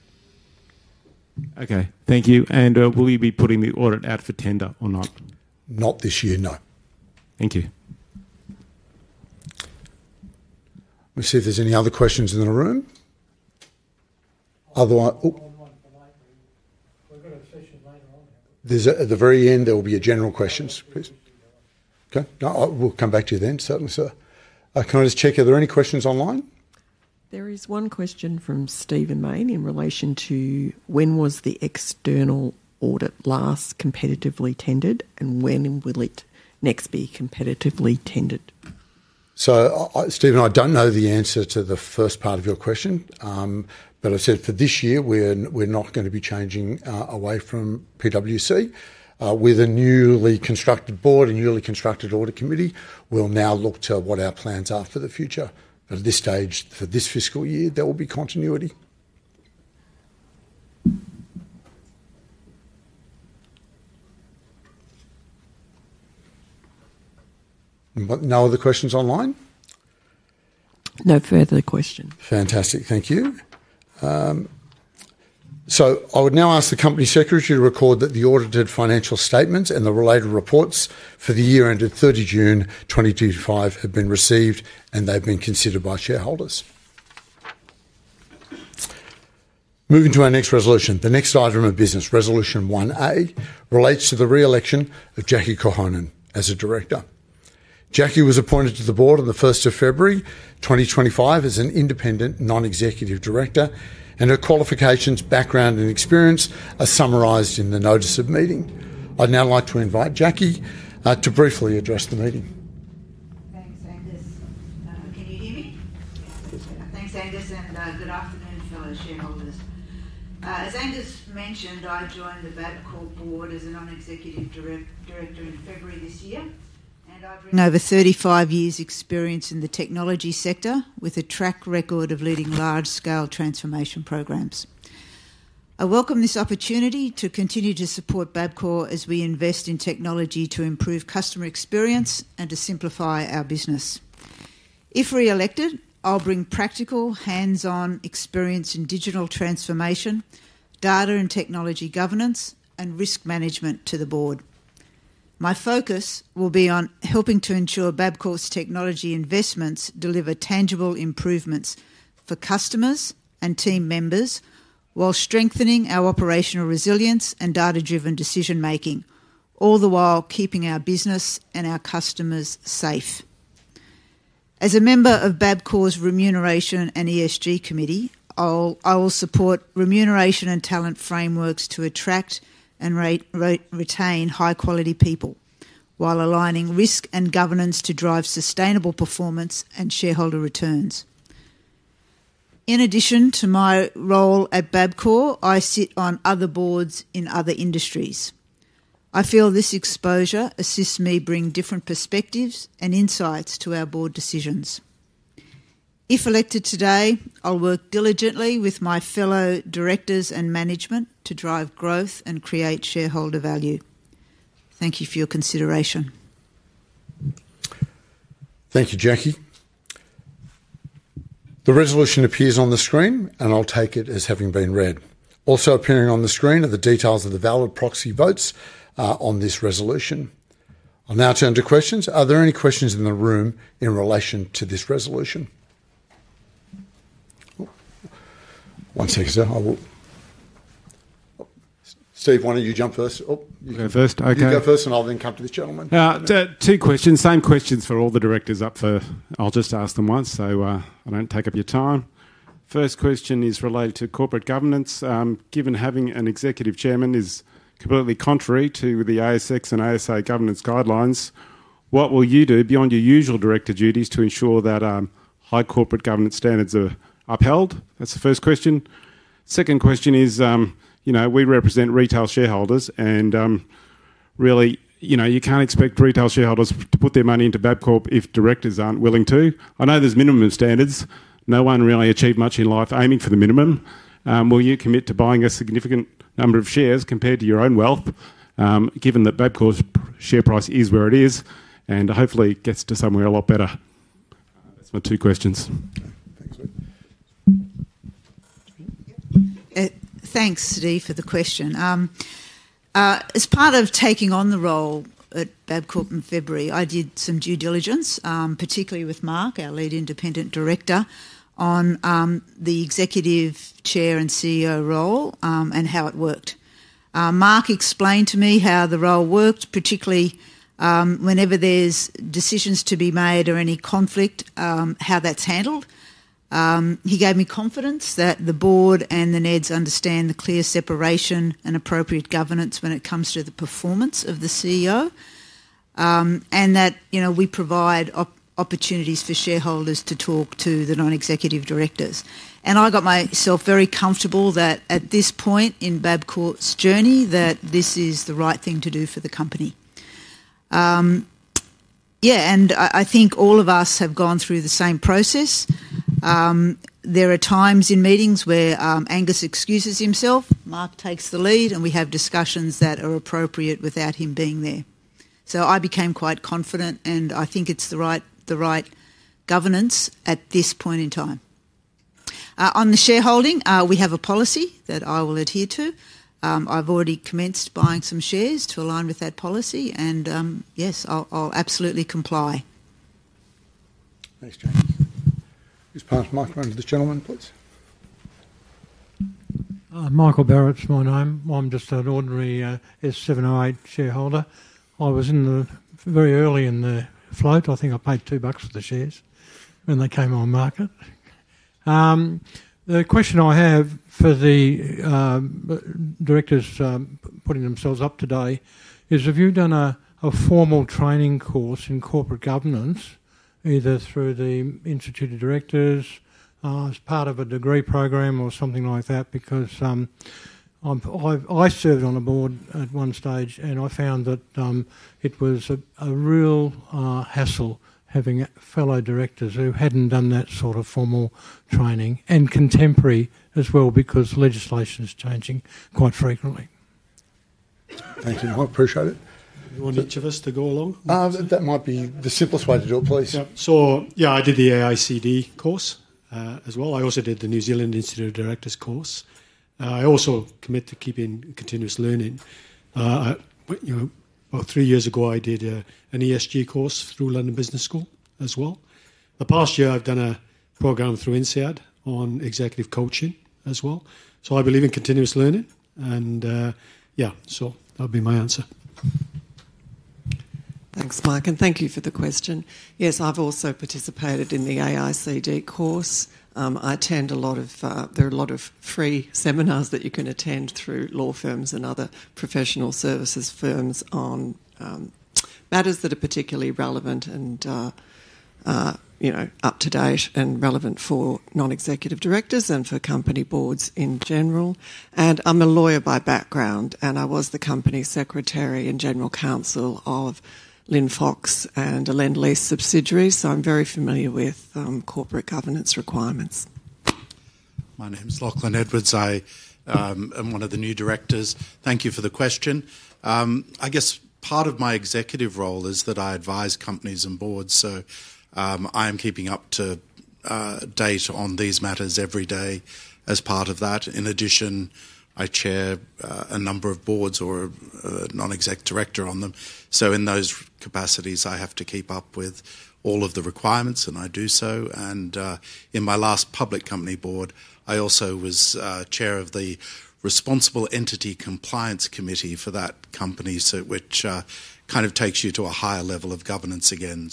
B: Thank you. Will you be putting the audit out for tender or not?
A: Not this year, no.
B: Thank you.
A: Let's see if there's any other questions in the room. Otherwise...
D: There's one for the library. We've got a session later on.
A: At the very end, there will be a general question. Okay, no, we'll come back to you then, certainly. Can I just check, are there any questions online?
E: There is one question from Steven Main in relation to when was the external audit last competitively tendered, and when will it next be competitively tendered?
A: Steven, I don't know the answer to the first part of your question, but I've said for this year we're not going to be changing away from PwC. With a newly constructed board and a newly constructed audit committee, we'll now look to what our plans are for the future. At this stage, for this fiscal year, there will be continuity. No other questions online?
E: No further questions.
A: Fantastic, thank you. I would now ask the Company Secretary to record that the audited financial statements and the related reports for the year ended 30 June 2025 have been received and they've been considered by shareholders. Moving to our next resolution, the next item of business, Resolution 1A, relates to the re-election of Jackie Korhonen as a director. Jackie was appointed to the Board on 1st of February 2025 as an Independent Non-Executive Director, and her qualifications, background, and experience are summarized in the notice of meeting. I'd now like to invite Jackie to briefly address the meeting.
F: Thanks, Angus. Can you hear me? Thanks, Angus, and good afternoon fellow shareholders. As Angus mentioned, I joined the Bapcor board as a Non-Executive Director in February this year, and I've written over 35 years' experience in the technology sector with a track record of leading large-scale transformation programs. I welcome this opportunity to continue to support Bapcor as we invest in technology to improve customer experience and to simplify our business. If re-elected, I'll bring practical hands-on experience in digital transformation, data and technology governance, and risk management to the board. My focus will be on helping to ensure Bapcor's technology investments deliver tangible improvements for customers and team members while strengthening our operational resilience and data-driven decision-making, all the while keeping our business and our customers safe. As a member of Bapcor's Remuneration and ESG Committee, I will support remuneration and talent frameworks to attract and retain high-quality people while aligning risk and governance to drive sustainable performance and shareholder returns. In addition to my role at Bapcor, I sit on other boards in other industries. I feel this exposure assists me bring different perspectives and insights to our board decisions. If elected today, I'll work diligently with my fellow directors and management to drive growth and create shareholder value. Thank you for your consideration.
A: Thank you, Jackie. The resolution appears on the screen, and I'll take it as having been read. Also appearing on the screen are the details of the valid proxy votes on this resolution. I'll now turn to questions. Are there any questions in the room in relation to this resolution? One second, sir. Steve, why don't you jump first? Oh, you can go first. Okay, you can go first, and I'll then come to this gentleman.
B: Two questions, same questions for all the directors up for. I'll just ask them once, so I don't take up your time. First question is related to corporate governance. Given having an Executive Chairman is completely contrary to the ASX and ASA governance guidelines, what will you do beyond your usual director duties to ensure that high corporate governance standards are upheld? That's the first question. Second question is, you know, we represent retail shareholders, and really, you know, you can't expect retail shareholders to put their money into Bapcor if directors aren't willing to. I know there's minimum standards. No one really achieved much in life aiming for the minimum. Will you commit to buying a significant number of shares compared to your own wealth, given that Bapcor's share price is where it is, and hopefully gets to somewhere a lot better? That's my two questions.
F: Thanks, Steve, for the question. As part of taking on the role at Bapcor in February, I did some due diligence, particularly with Mark, our Lead Independent Director, on the Executive Chair and CEO role and how it worked. Mark explained to me how the role worked, particularly whenever there's decisions to be made or any conflict, how that's handled. He gave me confidence that the board and the NEDs understand the clear separation and appropriate governance when it comes to the performance of the CEO, and that, you know, we provide opportunities for shareholders to talk to the Non-Executive Directors. I got myself very comfortable that at this point in Bapcor's journey, that this is the right thing to do for the company. I think all of us have gone through the same process. There are times in meetings where Angus excuses himself, Mark takes the lead, and we have discussions that are appropriate without him being there. I became quite confident, and I think it's the right governance at this point in time. On the shareholding, we have a policy that I will adhere to. I've already commenced buying some shares to align with that policy, and yes, I'll absolutely comply.
A: Thanks, Jackie. This is part of [mic], around to the gentleman, please.
G: Michael Barrett's my name. I'm just an ordinary S708 shareholder. I was very early in the float. I think I paid $2 for the shares when they came on market. The question I have for the directors putting themselves up today is, have you done a formal training course in corporate governance, either through the Institute of Directors as part of a degree program or something like that? I served on a board at one stage, and I found that it was a real hassle having fellow directors who hadn't done that sort of formal training and contemporary as well, because legislation is changing quite frequently.
A: Thank you. I appreciate it.
H: Do you want each of us to go along?
A: That might be the simplest way to do it, please.
H: I did the AICD course as well. I also did the New Zealand Institute of Directors course. I also commit to keeping continuous learning. Three years ago, I did an ESG course through London Business School as well. The past year, I've done a program through INSEAD on executive coaching as well. I believe in continuous learning. That'll be my answer.
I: Thanks, Mike, and thank you for the question. Yes, I've also participated in the AICD course. I attend a lot of free seminars that you can attend through law firms and other professional services firms on matters that are particularly relevant and up to date and relevant for non-executive directors and for company boards in general. I'm a lawyer by background, and I was the Company Secretary and General Counsel of Linfox and a Lendlease subsidiary, so I'm very familiar with corporate governance requirements.
J: My name's Lachlan Edwards. I am one of the new directors. Thank you for the question. I guess part of my executive role is that I advise companies and boards, so I am keeping up to date on these matters every day as part of that. In addition, I chair a number of boards or am a non-exec director on them. In those capacities, I have to keep up with all of the requirements, and I do so. In my last public company board, I also was Chair of the Responsible Entity Compliance Committee for that company, which kind of takes you to a higher level of governance again.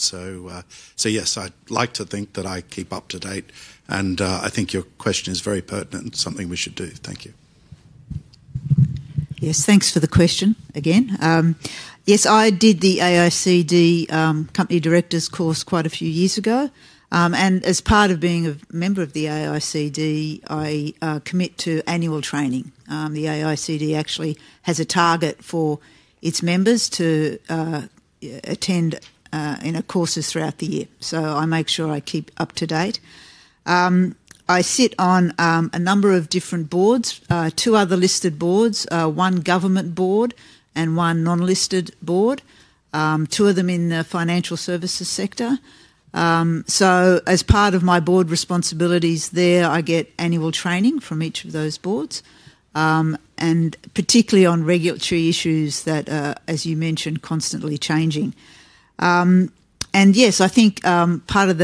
J: Yes, I'd like to think that I keep up to date, and I think your question is very pertinent and something we should do. Thank you.
K: Yes, thanks for the question again. Yes, I did the AICD company directors course quite a few years ago, and as part of being a member of the AICD, I commit to annual training. The AICD actually has a target for its members to attend courses throughout the year, so I make sure I keep up to date. I sit on a number of different boards, two other listed boards, one government board, and one non-listed board, two of them in the financial services sector. As part of my board responsibilities there, I get annual training from each of those boards, particularly on regulatory issues that are, as you mentioned, constantly changing. I think part of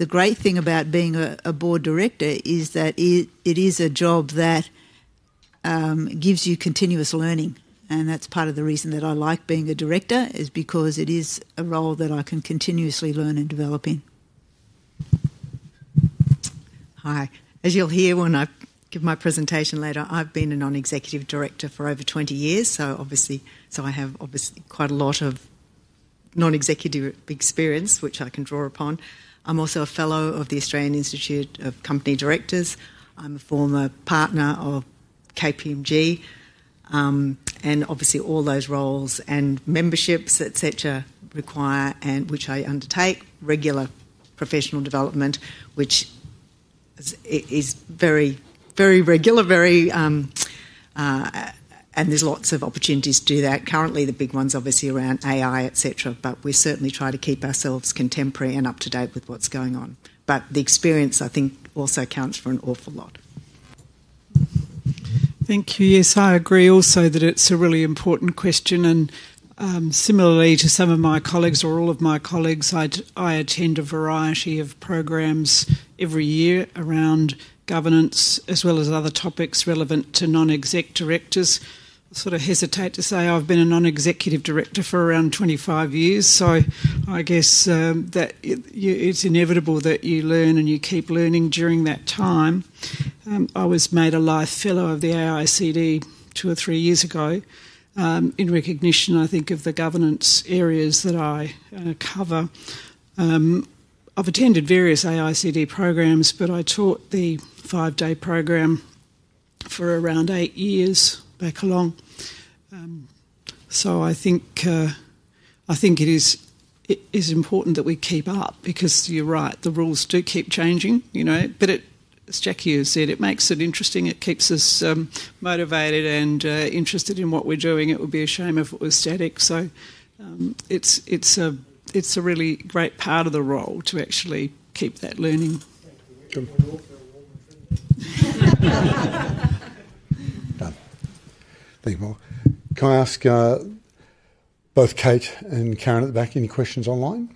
K: the great thing about being a board director is that it is a job that gives you continuous learning, and that's part of the reason that I like being a director is because it is a role that I can continuously learn and develop in. As you'll hear when I give my presentation later, I've been a non-executive director for over 20 years, so I have obviously quite a lot of non-executive experience, which I can draw upon. I'm also a fellow of the Australian Institute of Company Directors. I'm a former partner of KPMG, and obviously all those roles and memberships, etc., require, and which I undertake, regular professional development, which is very, very regular, and there's lots of opportunities to do that. Currently, the big one's obviously around AI, etc., but we certainly try to keep ourselves contemporary and up to date with what's going on. The experience, I think, also counts for an awful lot.
L: Thank you. Yes, I agree also that it's a really important question, and similarly to some of my colleagues or all of my colleagues, I attend a variety of programs every year around governance, as well as other topics relevant to non-executive directors. I hesitate to say I've been a non-executive director for around 25 years, so I guess that it's inevitable that you learn and you keep learning during that time. I was made a life fellow of the AICD two or three years ago in recognition, I think, of the governance areas that I cover. I've attended various AICD programs, but I taught the five-day program for around eight years back along. I think it is important that we keep up because you're right, the rules do keep changing, you know, but as Jackie Korhonen has said, it makes it interesting. It keeps us motivated and interested in what we're doing. It would be a shame if it was static, so it's a really great part of the role to actually keep that learning.
A: Done. Thank you. Can I ask both Kate and Karen at the back any questions online?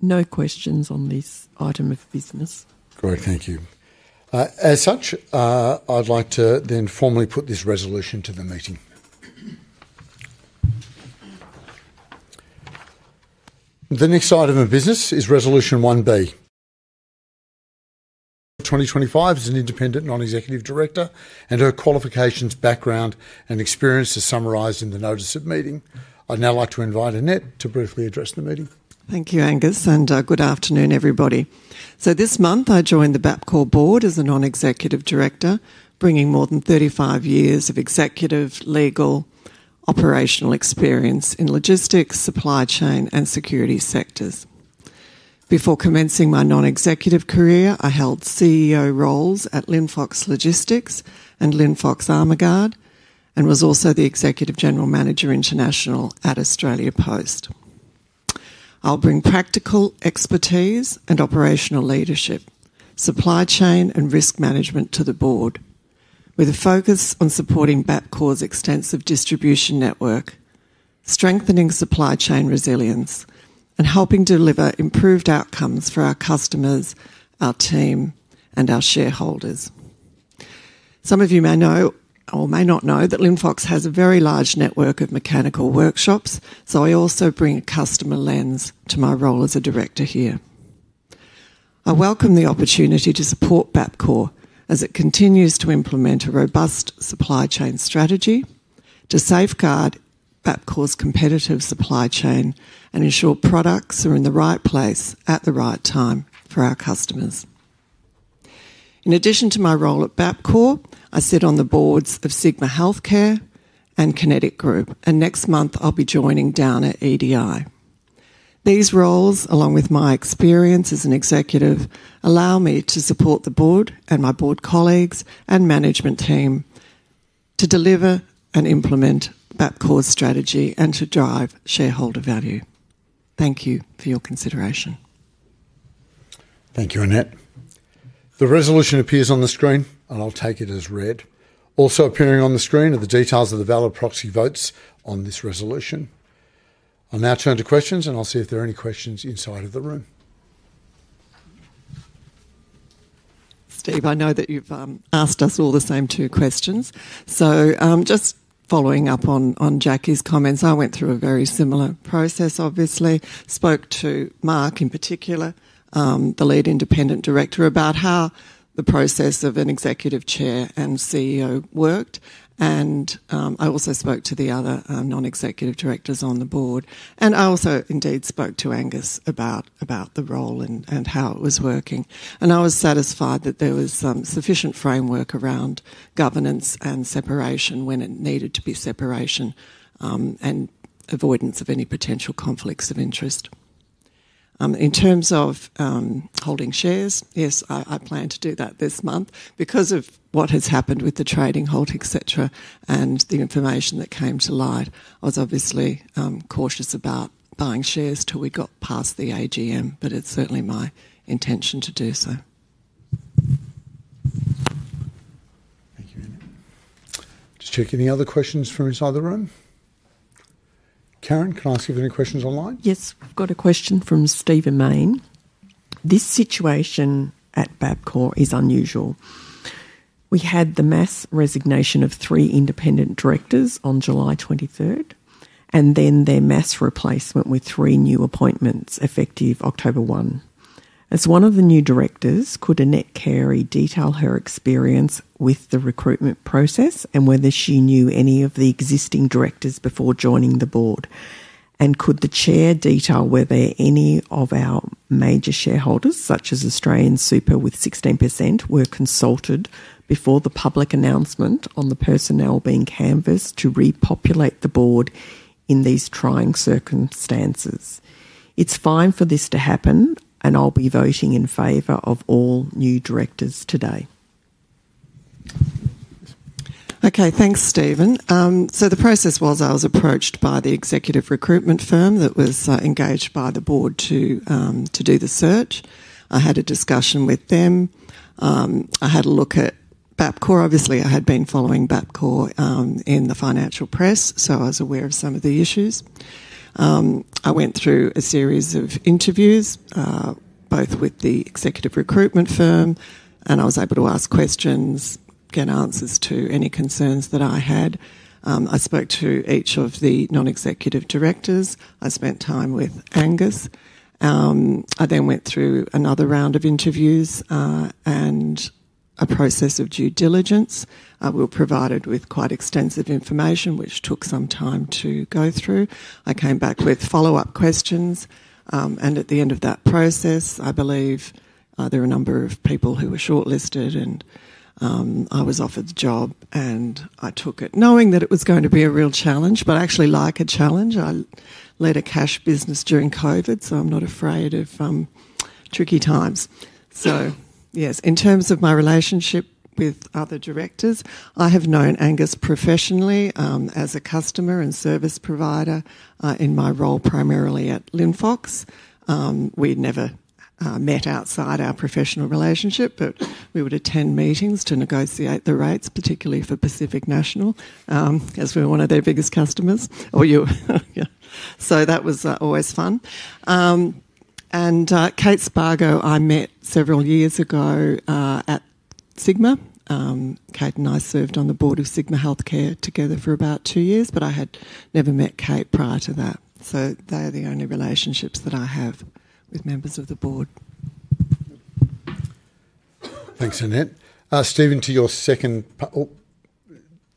E: No questions on this item of business.
A: Great, thank you. As such, I'd like to then formally put this resolution to the meeting. The next item of business is Resolution 1B. 2025 is an independent non-executive director, and her qualifications, background, and experience are summarized in the notice of meeting. I'd now like to invite Annette to briefly address the meeting.
L: Thank you, Angus, and good afternoon, everybody. This month, I joined the Bapcor board as a Non-Executive Director, bringing more than 35 years of executive legal operational experience in logistics, supply chain, and security sectors. Before commencing my non-executive career, I held CEO roles at Linfox Logistics and Linfox Armaguard, and was also the Executive General Manager International at Australia Post. I'll bring practical expertise and operational leadership, supply chain, and risk management to the board, with a focus on supporting Bapcor's extensive distribution network, strengthening supply chain resilience, and helping deliver improved outcomes for our customers, our team, and our shareholders. Some of you may know or may not know that Linfox has a very large network of mechanical workshops, so I also bring a customer lens to my role as a director here. I welcome the opportunity to support Bapcor as it continues to implement a robust supply chain strategy to safeguard Bapcor's competitive supply chain and ensure products are in the right place at the right time for our customers. In addition to my role at Bapcor, I sit on the boards of Sigma Healthcare and Kinetic Group, and next month I'll be joining Downer EDI. These roles, along with my experience as an executive, allow me to support the board and my board colleagues and management team to deliver and implement Bapcor's strategy and to drive shareholder value. Thank you for your consideration.
A: Thank you, Annette. The resolution appears on the screen, and I'll take it as read. Also appearing on the screen are the details of the valid proxy votes on this resolution. I'll now turn to questions, and I'll see if there are any questions inside the room.
L: Steve, I know that you've asked us all the same two questions. Just following up on Jackie's comments, I went through a very similar process, obviously. I spoke to Mark in particular, the Lead Independent Director, about how the process of an Executive Chair and CEO worked, and I also spoke to the other non-executive directors on the board. I also indeed spoke to Angus about the role and how it was working. I was satisfied that there was sufficient framework around governance and separation when it needed to be separation and avoidance of any potential conflicts of interest. In terms of holding shares, yes, I plan to do that this month. Because of what has happened with the trading halt, etc., and the information that came to light, I was obviously cautious about buying shares till we got past the AGM, but it's certainly my intention to do so.
A: Thank you, Annette. Just checking the other questions from inside the room. Karen, can I ask if there are any questions online?
E: Yes, I've got a question from Steven Main. This situation at Bapcor is unusual. We had the mass resignation of three independent directors on July 23rd, and then their mass replacement with three new appointments effective October 1. As one of the new directors, could Annette Carey detail her experience with the recruitment process and whether she knew any of the existing directors before joining the board? Could the Chair detail whether any of our major shareholders, such as AustralianSuper with 16%, were consulted before the public announcement on the personnel being canvassed to repopulate the board in these trying circumstances? It's fine for this to happen, and I'll be voting in favor of all new directors today.
L: Okay, thanks, Steven. The process was I was approached by the executive recruitment firm that was engaged by the board to do the search. I had a discussion with them. I had a look at Bapcor. Obviously, I had been following Bapcor in the financial press, so I was aware of some of the issues. I went through a series of interviews, both with the executive recruitment firm, and I was able to ask questions, get answers to any concerns that I had. I spoke to each of the non-executive directors. I spent time with Angus. I then went through another round of interviews and a process of due diligence. I was provided with quite extensive information, which took some time to go through. I came back with follow-up questions, and at the end of that process, I believe there were a number of people who were shortlisted, and I was offered the job, and I took it knowing that it was going to be a real challenge, but actually like a challenge. I led a cash business during COVID, so I'm not afraid of tricky times. Yes, in terms of my relationship with other directors, I have known Angus professionally as a customer and service provider in my role primarily at Linfox. We never met outside our professional relationship, but we would attend meetings to negotiate the rates, particularly for Pacific National, as we were one of their biggest customers. That was always fun. Kate Spargo, I met several years ago at Sigma. Kate and I served on the board of Sigma Healthcare together for about two years, but I had never met Kate prior to that. They are the only relationships that I have with members of the board.
A: Thanks, Annette. Steven, to your second part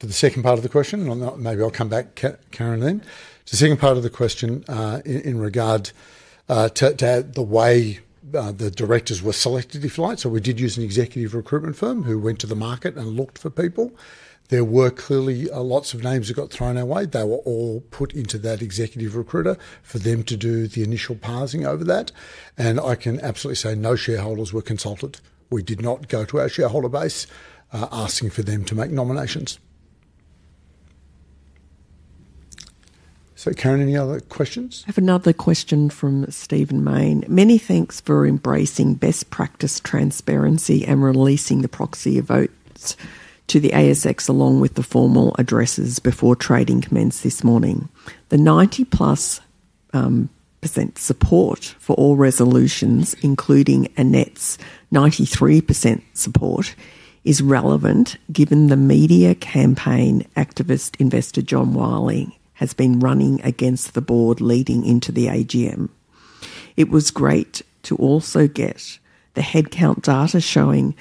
A: of the question, maybe I'll come back, Karen, then. To the second part of the question in regard to the way the directors were selected, if you like. We did use an executive recruitment firm who went to the market and looked for people. There were clearly lots of names that got thrown our way. They were all put into that executive recruiter for them to do the initial parsing over that. I can absolutely say no shareholders were consulted. We did not go to our shareholder base asking for them to make nominations. Karen, any other questions?
E: I have another question from Steven Main. Many thanks for embracing best practice transparency and releasing the proxy votes to the ASX along with the formal addresses before trading commenced this morning. The 90+% support for all resolutions, including Annette's 93% support, is relevant given the media campaign activist investor John Wiley has been running against the board leading into the AGM. It was great to also get the headcount data showing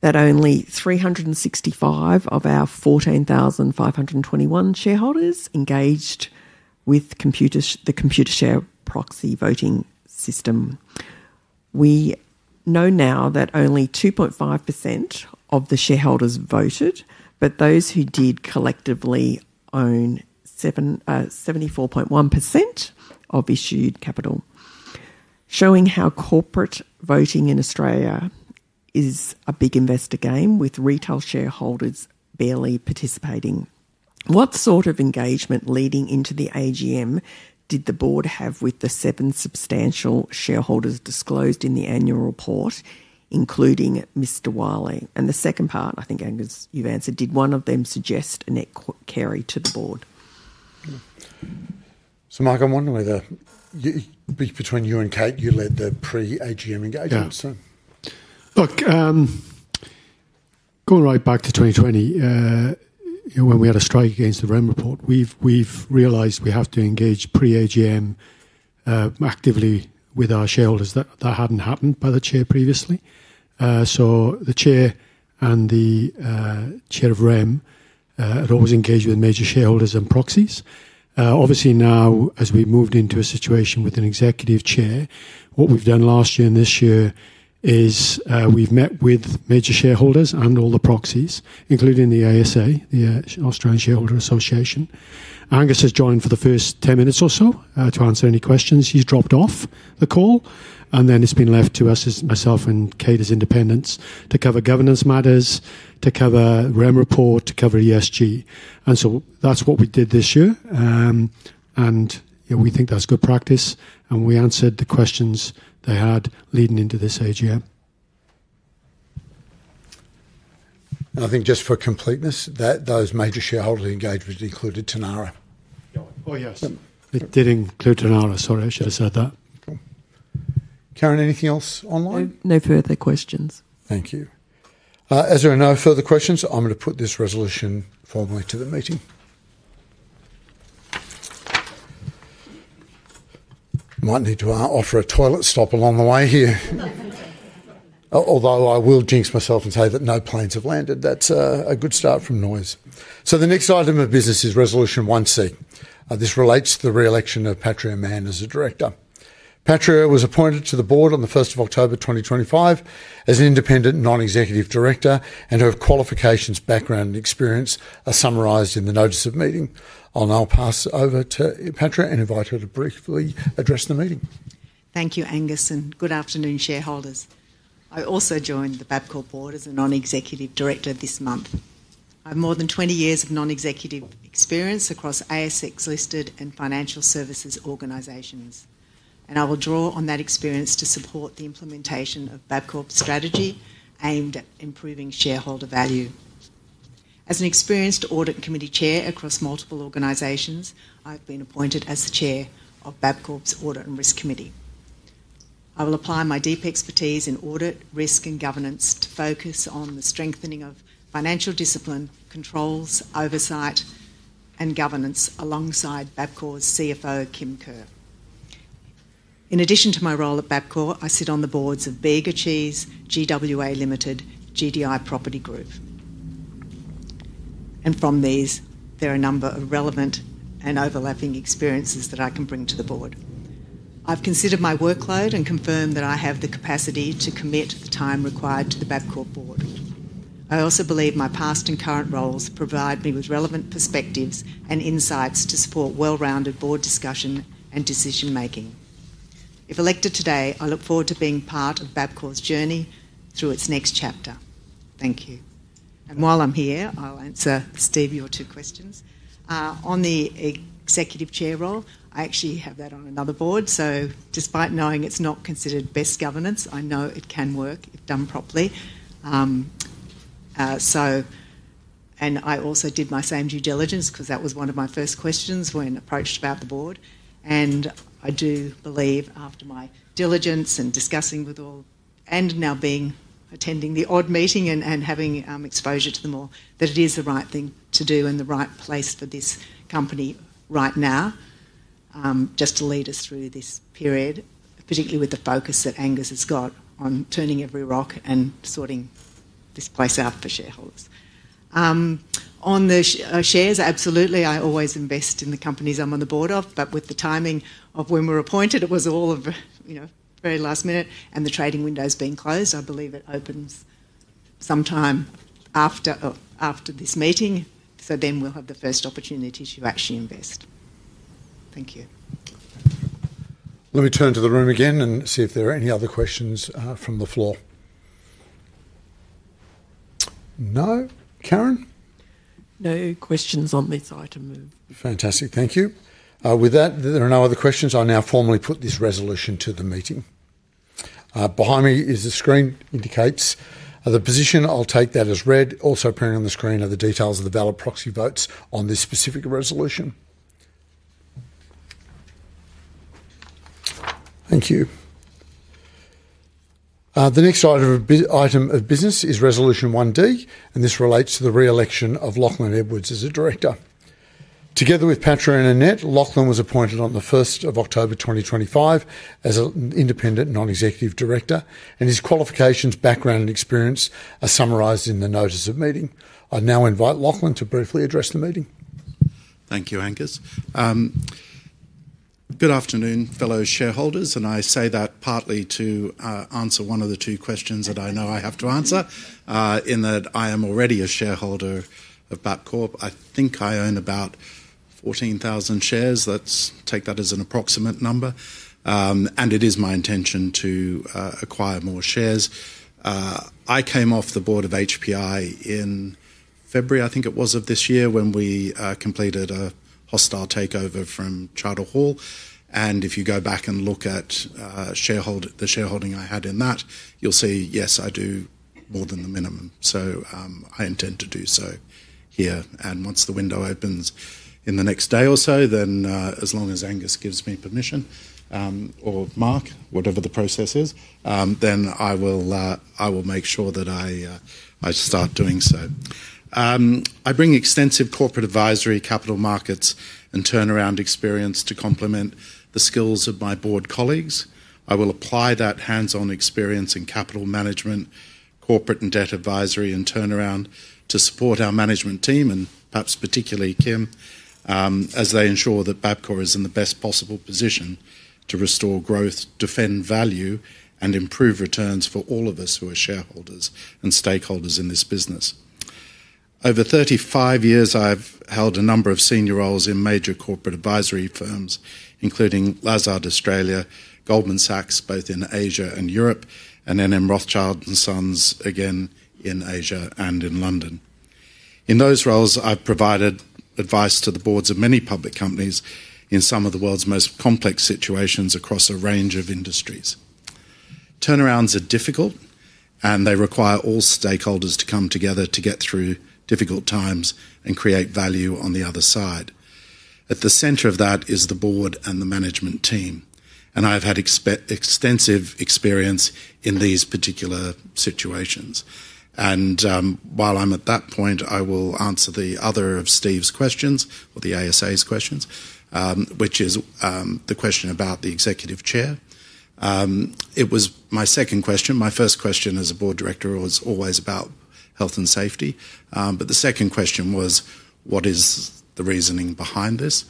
E: that only 365 of our 14,521 shareholders engaged with the Computershare proxy voting system. We know now that only 2.5% of the shareholders voted, but those who did collectively own 74.1% of issued capital. Showing how corporate voting in Australia is a big investor game with retail shareholders barely participating. What sort of engagement leading into the AGM did the board have with the seven substantial shareholders disclosed in the annual report, including Mr. Wiley? The second part, I think, Angus, you've answered, did one of them suggest Annette Carey to the board?
A: Mark, I'm wondering whether between you and Kim, you led the pre-AGM engagements.
M: Look, going right back to 2020, when we had Australia against the Rem report, we've realized we have to engage pre-AGM actively with our shareholders. That hadn't happened by the Chair previously. The Chair and the Chair of Rome had always engaged with major shareholders and proxies. Obviously, now, as we've moved into a situation with an Executive Chair, what we've done last year and this year is we've met with major shareholders and all the proxies, including the ASA, the Australian Shareholders Association. Angus has joined for the first 10 minutes or so to answer any questions. He's dropped off the call, and then it's been left to us, myself and Kate, as independents to cover governance matters, to cover Rem report, to cover ESG. That's what we did this year. We think that's good practice, and we answered the questions they had leading into this AGM.
A: I think just for completeness, those major shareholder engagements included Tanarra.
M: Oh, yes.
A: It did include Tanarra. Sorry, I should have said that.
M: Karen, anything else online?
E: No further questions.
A: Thank you. As there are no further questions, I'm going to put this resolution formally to the meeting. I might need to offer a toilet stop along the way here. Although I will jinx myself and say that no planes have landed. That's a good start from noise. The next item of business is Resolution 1C. This relates to the re-election of Patria Mann as a director. Patria was appointed to the board on October 2025 as an independent non-executive director, and her qualifications, background, and experience are summarized in the notice of meeting. I'll now pass over to Patria and invite her to briefly address the meeting.
I: Thank you, Angus, and good afternoon, shareholders. I also joined the Bapcor board as a Non-Executive Director this month. I have more than 20 years of non-executive experience across ASX listed and financial services organizations, and I will draw on that experience to support the implementation of Bapcor's strategy aimed at improving shareholder value. As an experienced Audit Committee Chair across multiple organizations, I've been appointed as the Chair of Bapcor's Audit and Risk Committee. I will apply my deep expertise in audit, risk, and governance to focus on the strengthening of financial discipline, controls, oversight, and governance alongside Bapcor's CFO, Kim Kerr. In addition to my role at Bapcor, I sit on the boards of Bega Cheese, GWA Limited, and GDI Property Group. From these, there are a number of relevant and overlapping experiences that I can bring to the board. I've considered my workload and confirmed that I have the capacity to commit the time required to the Bapcor board. I also believe my past and current roles provide me with relevant perspectives and insights to support well-rounded board discussion and decision-making. If elected today, I look forward to being part of Bapcor's journey through its next chapter. Thank you. While I'm here, I'll answer Steve, your two questions. On the Executive Chair role, I actually have that on another board. Despite knowing it's not considered best governance, I know it can work if done properly. I also did my same due diligence because that was one of my first questions when approached about the board. I do believe after my diligence and discussing with all, and now attending the odd meeting and having exposure to them all, that it is the right thing to do and the right place for this company right now, just to lead us through this period, particularly with the focus that Angus has got on turning every rock and sorting this place out for shareholders. On the shares, absolutely, I always invest in the companies I'm on the board of, but with the timing of when we were appointed, it was all at the very last minute, and the trading window has been closed. I believe it opens sometime after this meeting, so then we'll have the first opportunity to actually invest. Thank you.
A: Let me turn to the room again and see if there are any other questions from the floor. No, Karen?
E: No questions on this item.
A: Fantastic, thank you. With that, there are no other questions. I'll now formally put this resolution to the meeting. Behind me is the screen that indicates the position. I'll take that as read. Also, printed on the screen are the details of the ballot proxy votes on this specific resolution. Thank you. The next item of business is Resolution 1D, and this relates to the reelection of Lachlan Edwards as a Director. Together with Patria and Annette, Lachlan was appointed on the 1st of October 2025 as an Independent Non-Executive Director, and his qualifications, background, and experience are summarized in the notice of meeting. I now invite Lachlan to briefly address the meeting.
J: Thank you, Angus. Good afternoon, fellow shareholders, and I say that partly to answer one of the two questions that I know I have to answer. In that I am already a shareholder of Bapcor. I think I own about 14,000 shares. Let's take that as an approximate number. It is my intention to acquire more shares. I came off the board of HPI in February, I think it was, of this year when we completed a hostile takeover from Charter Hall. If you go back and look at the shareholding I had in that, you'll see, yes, I do more than the minimum. I intend to do so here. Once the window opens in the next day or so, as long as Angus gives me permission, or Mark, whatever the process is, I will make sure that I start doing so. I bring extensive corporate advisory, capital markets, and turnaround experience to complement the skills of my board colleagues. I will apply that hands-on experience in capital management, corporate and debt advisory, and turnaround to support our management team, and perhaps particularly Kim, as they ensure that Bapcor is in the best possible position to restore growth, defend value, and improve returns for all of us who are shareholders and stakeholders in this business. Over 35 years, I've held a number of senior roles in major corporate advisory firms, including Lazard Australia, Goldman Sachs, both in Asia and Europe, and then Rothschild & Sons, again in Asia and in London. In those roles, I've provided advice to the boards of many public companies in some of the world's most complex situations across a range of industries. Turnarounds are difficult, and they require all stakeholders to come together to get through difficult times and create value on the other side. At the center of that is the board and the management team. I've had extensive experience in these particular situations. While I'm at that point, I will answer the other of Steve's questions, or the ASA's questions, which is the question about the Executive Chair. It was my second question. My first question as a board director was always about health and safety. The second question was, what is the reasoning behind this?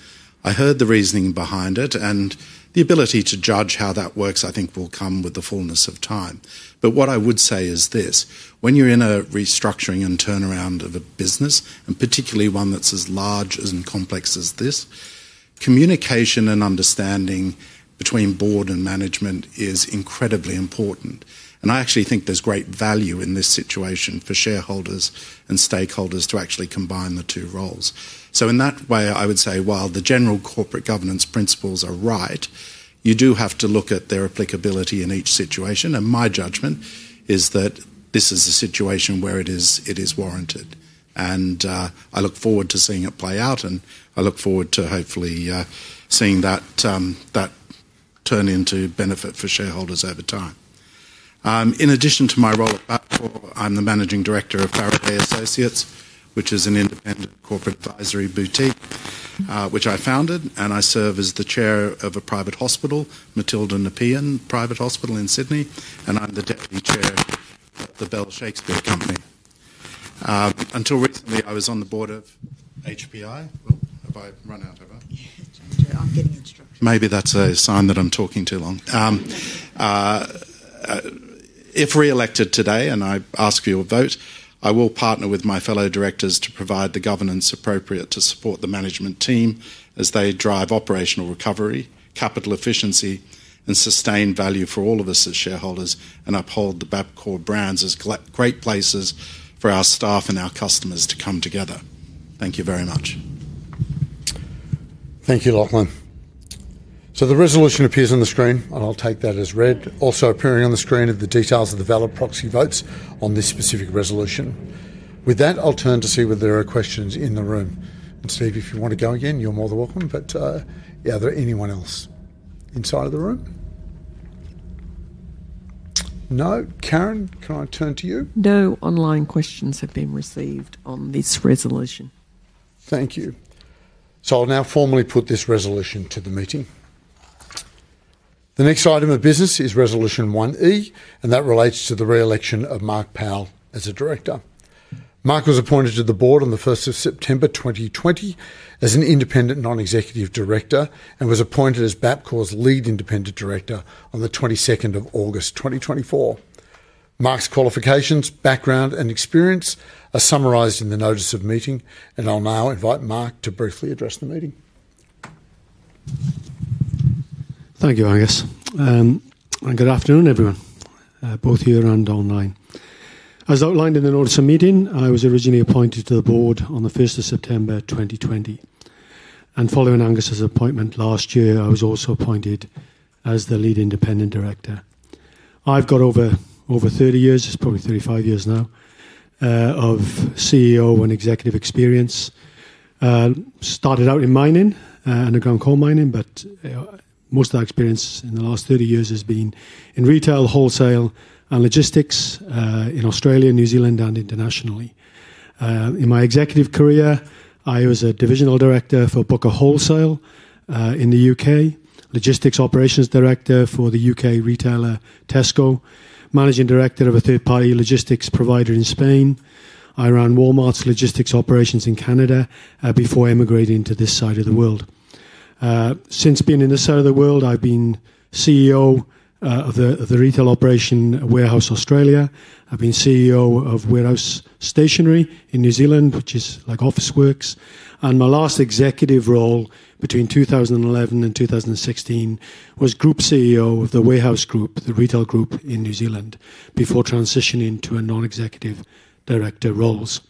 J: I heard the reasoning behind it, and the ability to judge how that works, I think, will come with the fullness of time. What I would say is this: when you're in a restructuring and turnaround of a business, and particularly one that's as large and complex as this, communication and understanding between board and management is incredibly important. I actually think there's great value in this situation for shareholders and stakeholders to actually combine the two roles. In that way, I would say while the general corporate governance principles are right, you do have to look at their applicability in each situation. My judgment is that this is a situation where it is warranted. I look forward to seeing it play out, and I look forward to hopefully seeing that turn into benefit for shareholders over time. In addition to my role at Bapcor, I'm the Managing Director of Faraday Associates, which is an independent corporate advisory boutique, which I founded. I serve as the Chair of a private hospital, Matilda Nepean Private Hospital in Sydney. I'm the Deputy Chair of the Bell Shakespeare Company. Until recently, I was on the board of HPI. Have I run out of it? Maybe that's a sign that I'm talking too long. If reelected today, and I ask for your vote, I will partner with my fellow directors to provide the governance appropriate to support the management team as they drive operational recovery, capital efficiency, and sustain value for all of us as shareholders and uphold the Bapcor brands as great places for our staff and our customers to come together. Thank you very much.
A: Thank you, Lachlan. The resolution appears on the screen, and I'll take that as read. Also appearing on the screen are the details of the ballot proxy votes on this specific resolution. With that, I'll turn to see whether there are questions in the room. Steve, if you want to go again, you're more than welcome. Anyone else inside of the room? No? Karen, can I turn to you?
E: No online questions have been received on this resolution.
A: Thank you. I'll now formally put this resolution to the meeting. The next item of business is Resolution 1E, and that relates to the reelection of Mark Powell as a Director. Mark was appointed to the board on the 1st of September 2020 as an Independent Non-Executive Director and was appointed as Bapcor's Lead Independent Director on the 22nd of August 2024. Mark's qualifications, background, and experience are summarized in the notice of meeting, and I'll now invite Mark to briefly address the meeting.
M: Thank you, Angus. Good afternoon, everyone, both here and online. As outlined in the notice of meeting, I was originally appointed to the board on September 2020. Following Angus's appointment last year, I was also appointed as the Lead Independent Director. I've got over 30 years, it's probably 35 years now, of CEO and executive experience. I started out in mining, underground coal mining, but most of that experience in the last 30 years has been in retail, wholesale, and logistics in Australia, New Zealand, and internationally. In my executive career, I was a Divisional Director for Booker Wholesale in the U.K., Logistics Operations Director for the U.K. retailer Tesco, Managing Director of a third-party logistics provider in Spain. I ran Walmart's logistics operations in Canada before emigrating to this side of the world. Since being in this side of the world, I've been CEO of the retail operation Warehouse Australia. I've been CEO of Warehouse Stationery in New Zealand, which is like Officeworks. My last executive role between 2011 and 2016 was Group CEO of the Warehouse Group, the retail group in New Zealand, before transitioning to non-executive director roles.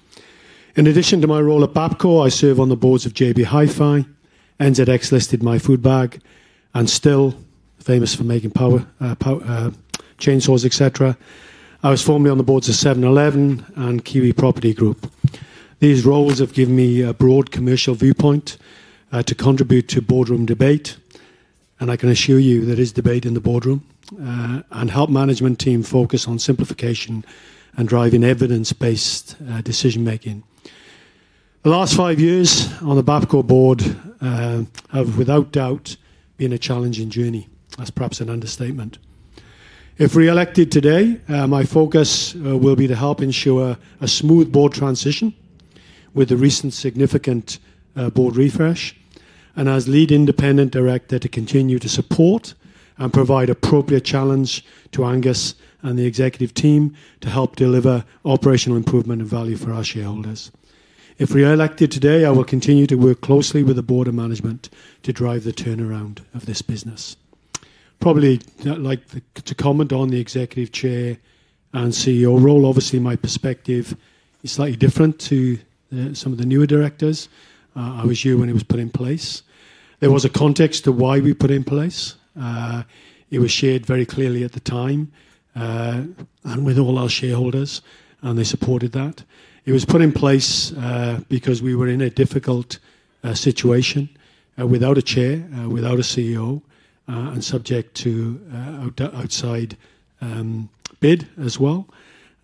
M: In addition to my role at Bapcor, I serve on the boards of JB Hi-Fi, [ASX] listed My Food Bag, and still famous for making power, chainsaws, etc. I was formerly on the boards of 7-Eleven and Kiwi Property Group. These roles have given me a broad commercial viewpoint to contribute to boardroom debate, and I can assure you there is debate in the boardroom, and help the management team focus on simplification and driving evidence-based decision-making. The last five years on the Bapcor board have, without doubt, been a challenging journey. That's perhaps an understatement. If reelected today, my focus will be to help ensure a smooth board transition with the recent significant board refresh, and as Lead Independent Director to continue to support and provide appropriate challenge to Angus and the executive team to help deliver operational improvement and value for our shareholders. If reelected today, I will continue to work closely with the board of management to drive the turnaround of this business. I'd probably like to comment on the Executive Chair and CEO role. Obviously, my perspective is slightly different to some of the newer directors. I was here when it was put in place. There was a context to why we put it in place. It was shared very clearly at the time and with all our shareholders, and they supported that. It was put in place because we were in a difficult situation without a Chair, without a CEO, and subject to outside bid as well.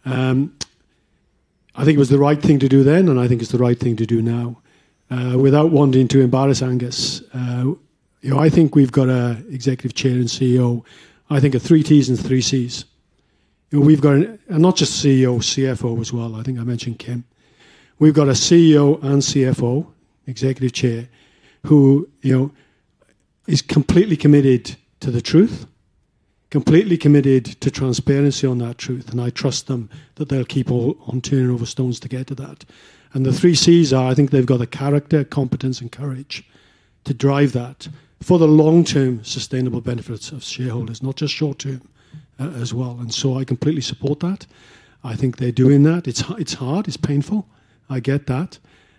M: I think it was the right thing to do then, and I think it's the right thing to do now. Without wanting to embarrass Angus, I think we've got an Executive Chair and CEO, I think a three Ts and three Cs. We've got a, and not just CEO, CFO as well, I think I mentioned Kim. We've got a CEO and CFO, Executive Chair, who is completely committed to the truth, completely committed to transparency on that truth, and I trust them that they'll keep on turning over stones to get to that. The three Cs are, I think they've got the character, competence, and courage to drive that for the long-term sustainable benefits of shareholders, not just short-term as well. I completely support that. I think they're doing that. It's hard, it's painful, I get that,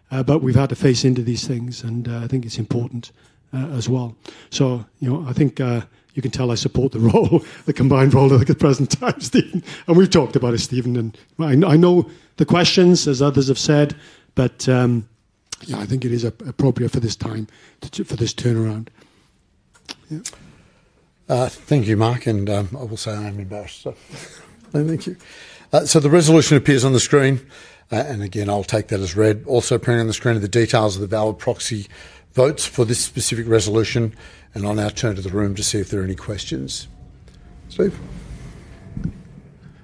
M: but we've had to face into these things, and I think it's important as well. I think you can tell I support the role, the combined role at the present time, Steven. We've talked about it, Steven, and I know the questions, as others have said, but I think it is appropriate for this time, for this turnaround.
A: Thank you, Mark, and I will say I'm embarrassed. Thank you. The resolution appears on the screen, and I'll take that as read. Also printed on the screen are the details of the ballot proxy votes for this specific resolution, and I'll now turn to the room to see if there are any questions. Steve.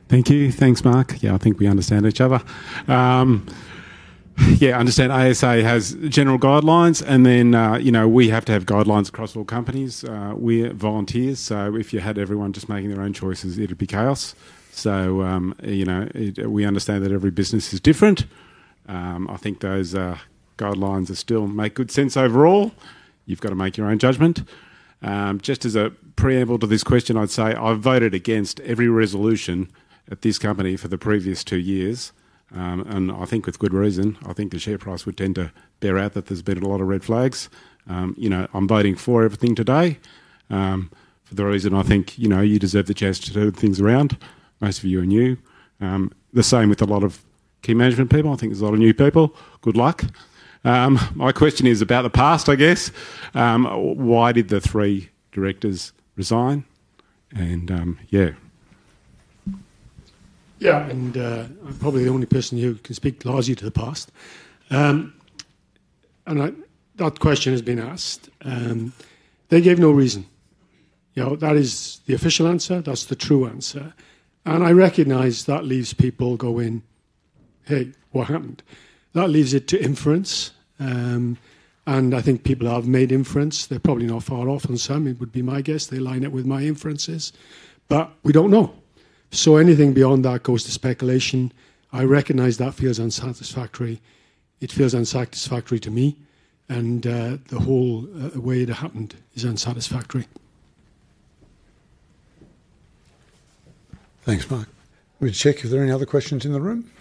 B: Thank you. Thanks, Mark. I think we understand each other. I understand ASA has general guidelines, and then we have to have guidelines across all companies. We're volunteers, so if you had everyone just making their own choices, it'd be chaos. We understand that every business is different. I think those guidelines still make good sense overall. You've got to make your own judgment. Just as a preamble to this question, I'd say I voted against every resolution at this company for the previous two years, and I think with good reason. I think the share price would tend to bear out that there's been a lot of red flags. I'm voting for everything today for the reason I think you deserve the chance to turn things around. Most of you are new, the same with a lot of key management people. I think there's a lot of new people. Good luck. My question is about the past, I guess. Why did the three directors resign? And yeah.
M: Yeah, I'm probably the only person who can speak largely to the past. That question has been asked. They gave no reason. That is the official answer. That's the true answer. I recognize that leaves people going, "Hey, what happened?" That leaves it to inference. I think people have made inference. They're probably not far off on some. It would be my guess. They line up with my inferences. We don't know. Anything beyond that goes to speculation. I recognize that feels unsatisfactory. It feels unsatisfactory to me. The whole way it happened is unsatisfactory.
A: Thanks, Mark. Let me check if there are any other questions in the room.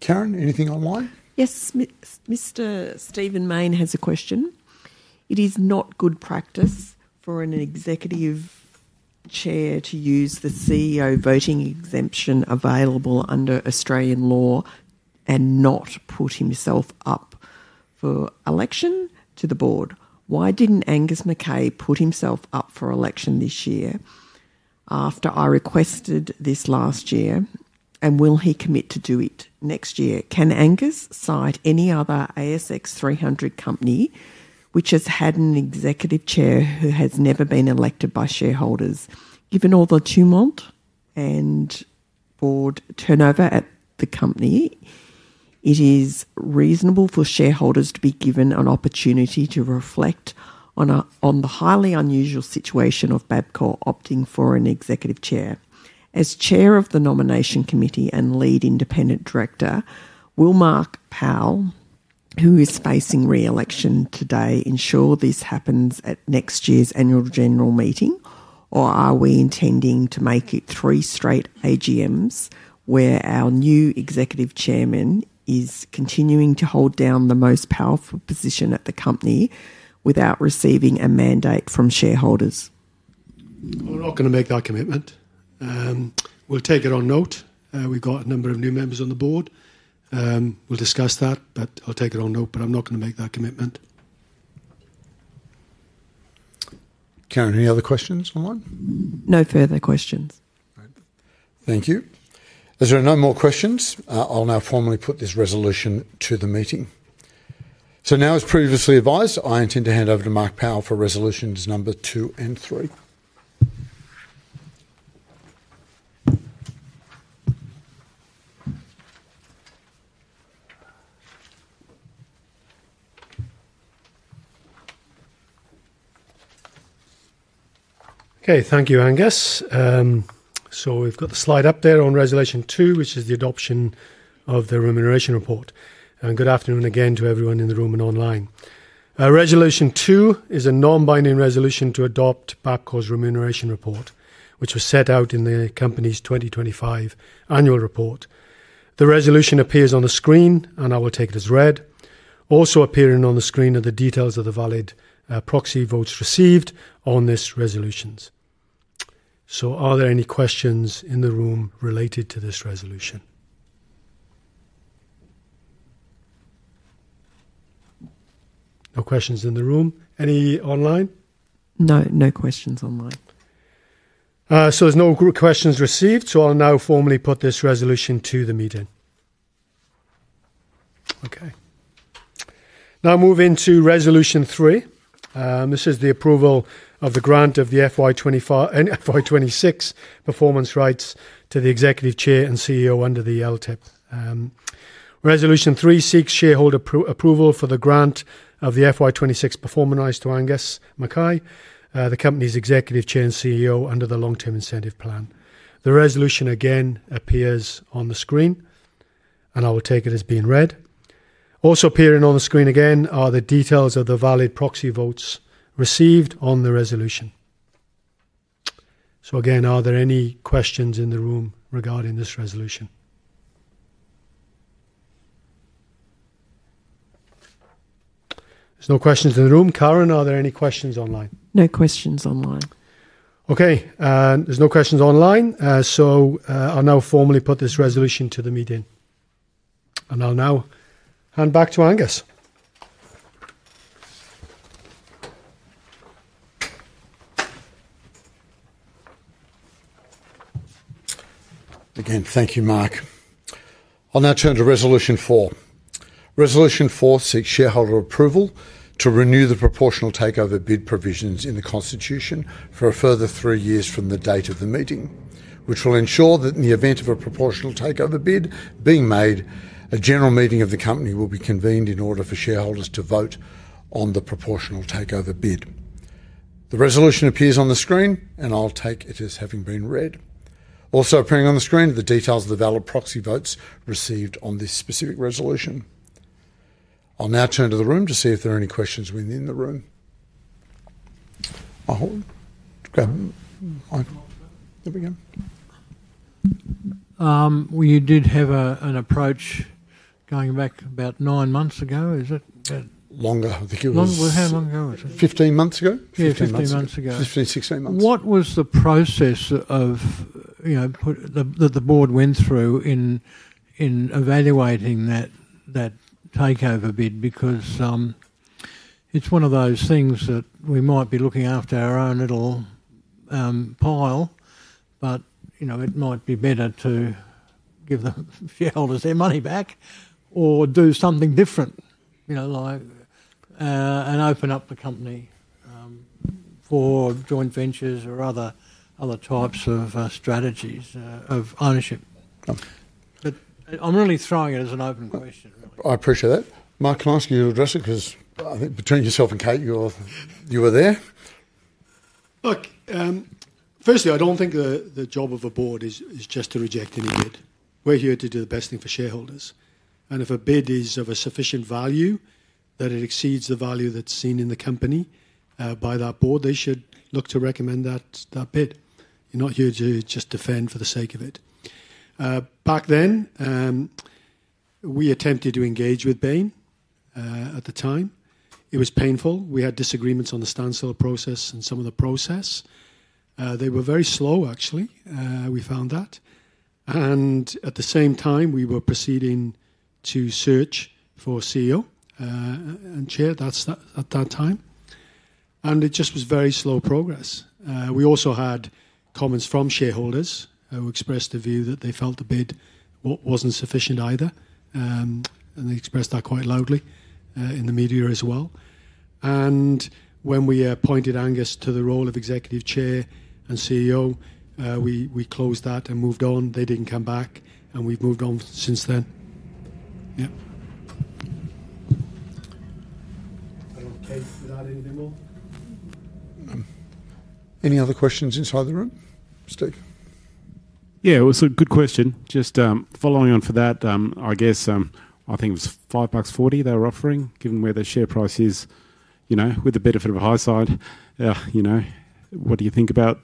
A: Karen, anything online?
E: Yes, Mr. Steven Main has a question. It is not good practice for an Executive Chair to use the CEO voting exemption available under Australian law and not put himself up for election to the board. Why didn't Angus McKay put himself up for election this year after I requested this last year? Will he commit to do it next year? Can Angus cite any other ASX 300 company which has had an Executive Chair who has never been elected by shareholders? Given all the tumult and board turnover at the company, it is reasonable for shareholders to be given an opportunity to reflect on the highly unusual situation of Bapcor opting for an Executive Chair. As Chair of the Nomination Committee and Lead Independent Director, will Mark Powell, who is facing reelection today, ensure this happens at next year's Annual General Meeting, or are we intending to make it three straight AGMs where our new Executive Chairman is continuing to hold down the most powerful position at the company without receiving a mandate from shareholders?
M: We're not going to make that commitment. We'll take it on note. We've got a number of new members on the board. We'll discuss that, I'll take it on note, but I'm not going to make that commitment.
A: Karen, any other questions online?
E: No further questions.
A: Thank you. If there are no more questions, I'll now formally put this resolution to the meeting. As previously advised, I intend to hand over to Mark Powell for resolutions number two and three.
M: Okay, thank you, Angus. We've got the slide up there on resolution two, which is the adoption of the remuneration report. Good afternoon again to everyone in the room and online. Resolution two is a non-binding resolution to adopt Bapcor's remuneration report, which was set out in the company's 2025 annual report. The resolution appears on the screen, and I will take it as read. Also appearing on the screen are the details of the ballot proxy votes received on this resolution. Are there any questions in the room related to this resolution? No questions in the room. Any online?
E: No, no questions online.
M: There are no questions received. I'll now formally put this resolution to the meeting. Now moving to resolution three. This is the approval of the grant of the FY 2026 performance rights to the Executive Chair and CEO under the LTIP. Resolution three seeks shareholder approval for the grant of the FY 2026 performance rights to Angus McKay, the company's Executive Chair and CEO under the Long-Term Incentive Plan. The resolution again appears on the screen, and I will take it as being read. Also appearing on the screen again are the details of the ballot proxy votes received on the resolution. Are there any questions in the room regarding this resolution? There are no questions in the room. Karen, are there any questions online?
E: No questions online.
M: Okay, there's no questions online. I'll now formally put this resolution to the meeting. I'll now hand back to Angus.
A: Again, thank you, Mark. I'll now turn to resolution four. Resolution four seeks shareholder approval to renew the Proportional Takeover Bid provisions in the Constitution for a further three years from the date of the meeting, which will ensure that in the event of a Proportional Takeover Bid being made, a general meeting of the company will be convened in order for shareholders to vote on the Proportional Takeover Bid. The resolution appears on the screen, and I'll take it as having been read. Also appearing on the screen are the details of the ballot proxy votes received on this specific resolution. I'll now turn to the room to see if there are any questions within the room. There we go.
N: We did have an approach going back about nine months ago, is it?
A: Longer, I think it was.
N: How long ago was it?
A: 15 months ago. 15, 16 months ago.
N: What was the process that the board went through in evaluating that takeover bid? Because it's one of those things that we might be looking after our own little pile, but it might be better to give the shareholders their money back or do something different, like open up the company for joint ventures or other types of strategies of ownership.
A: I appreciate that. Mark, can I ask you to address it? Because I think between yourself and Kate, you were there.
M: Look, firstly, I don't think the job of a board is just to reject any bid. We're here to do the best thing for shareholders. If a bid is of a sufficient value that it exceeds the value that's seen in the company by that board, they should look to recommend that bid. You're not here to just defend for the sake of it. Back then, we attempted to engage with Bain at the time. It was painful. We had disagreements on the standstill process and some of the process. They were very slow, actually. We found that. At the same time, we were proceeding to search for CEO and Chair at that time, and it just was very slow progress. We also had comments from shareholders who expressed the view that they felt the bid wasn't sufficient either. They expressed that quite loudly in the media as well. When we appointed Angus to the role of Executive Chair and CEO, we closed that and moved on. They didn't come back, and we've moved on since then.
A: Anything more? Any other questions inside the room? Steve.
B: It was a good question. Just following on from that, I guess I think it was $5.40 they were offering. Given where the share price is, you know, with the benefit of hindsight, what do you think about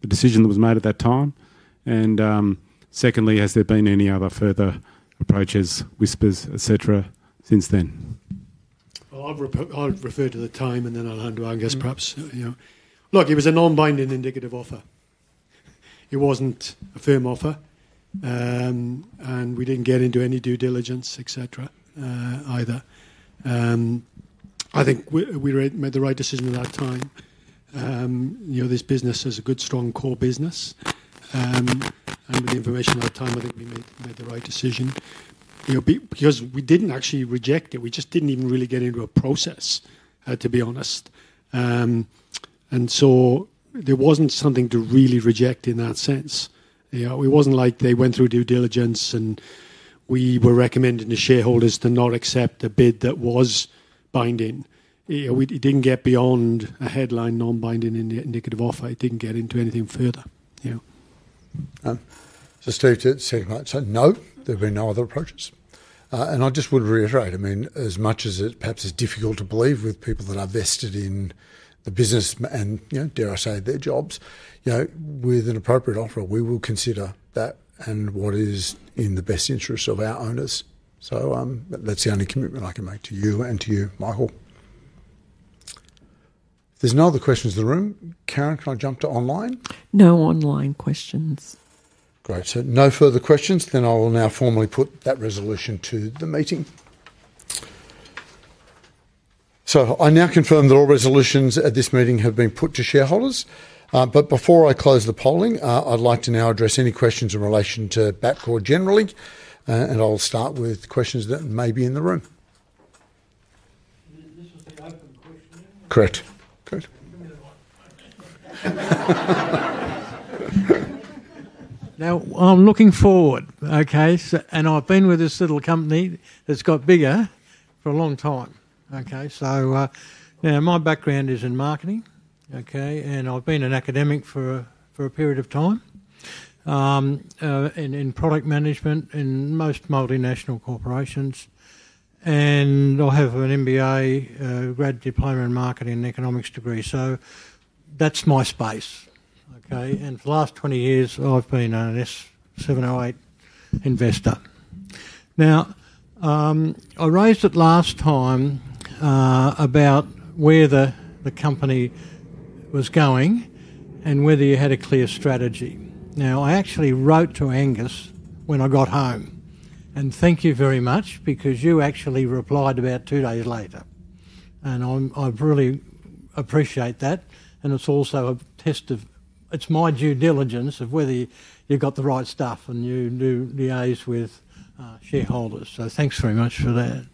B: the decision that was made at that time? Secondly, has there been any other further approaches, whispers, et cetera, since then?
M: I’ll refer to the time and then I’ll hand to Angus, perhaps. It was a non-binding indicative offer. It wasn’t a firm offer, and we didn’t get into any due diligence, et cetera, either. I think we made the right decision at that time. You know, this business is a good, strong core business, and with the information at the time, I think we made the right decision. You know, because we didn’t actually reject it. We just didn’t even really get into a process, to be honest, and so there wasn’t something to really reject in that sense. It wasn’t like they went through due diligence and we were recommending the shareholders to not accept a bid that was binding. It didn’t get beyond a headline non-binding indicative offer. It didn’t get into anything further.
A: To say no, there have been no other approaches. I just would reiterate, I mean, as much as it perhaps is difficult to believe with people that are vested in the business and dare I say their jobs, you know, with an appropriate offer, we will consider that and what is in the best interests of our owners. That's the only commitment I can make to you and to you, Michael. If there's no other questions in the room, Karen, can I jump to online?
E: No online questions.
A: Great. No further questions. I will now formally put that resolution to the meeting. I now confirm that all resolutions at this meeting have been put to shareholders. Before I close the polling, I'd like to now address any questions in relation to Bapcor generally. I'll start with questions that may be in the room.
O: This was the open questioning?
A: Correct.
O: Now, I'm looking forward. I've been with this little company that's got bigger for a long time. My background is in marketing, and I've been an academic for a period of time in product management in most multinational corporations. I have an MBA, a grad diploma in marketing, and an economics degree. That's my space. For the last 20 years, I've been an S708 investor. I raised it last time about where the company was going and whether you had a clear strategy. I actually wrote to Angus when I got home, and thank you very much because you actually replied about two days later. I really appreciate that. It's also a test of my due diligence of whether you got the right stuff and you knew liaise with shareholders. Thanks very much for that.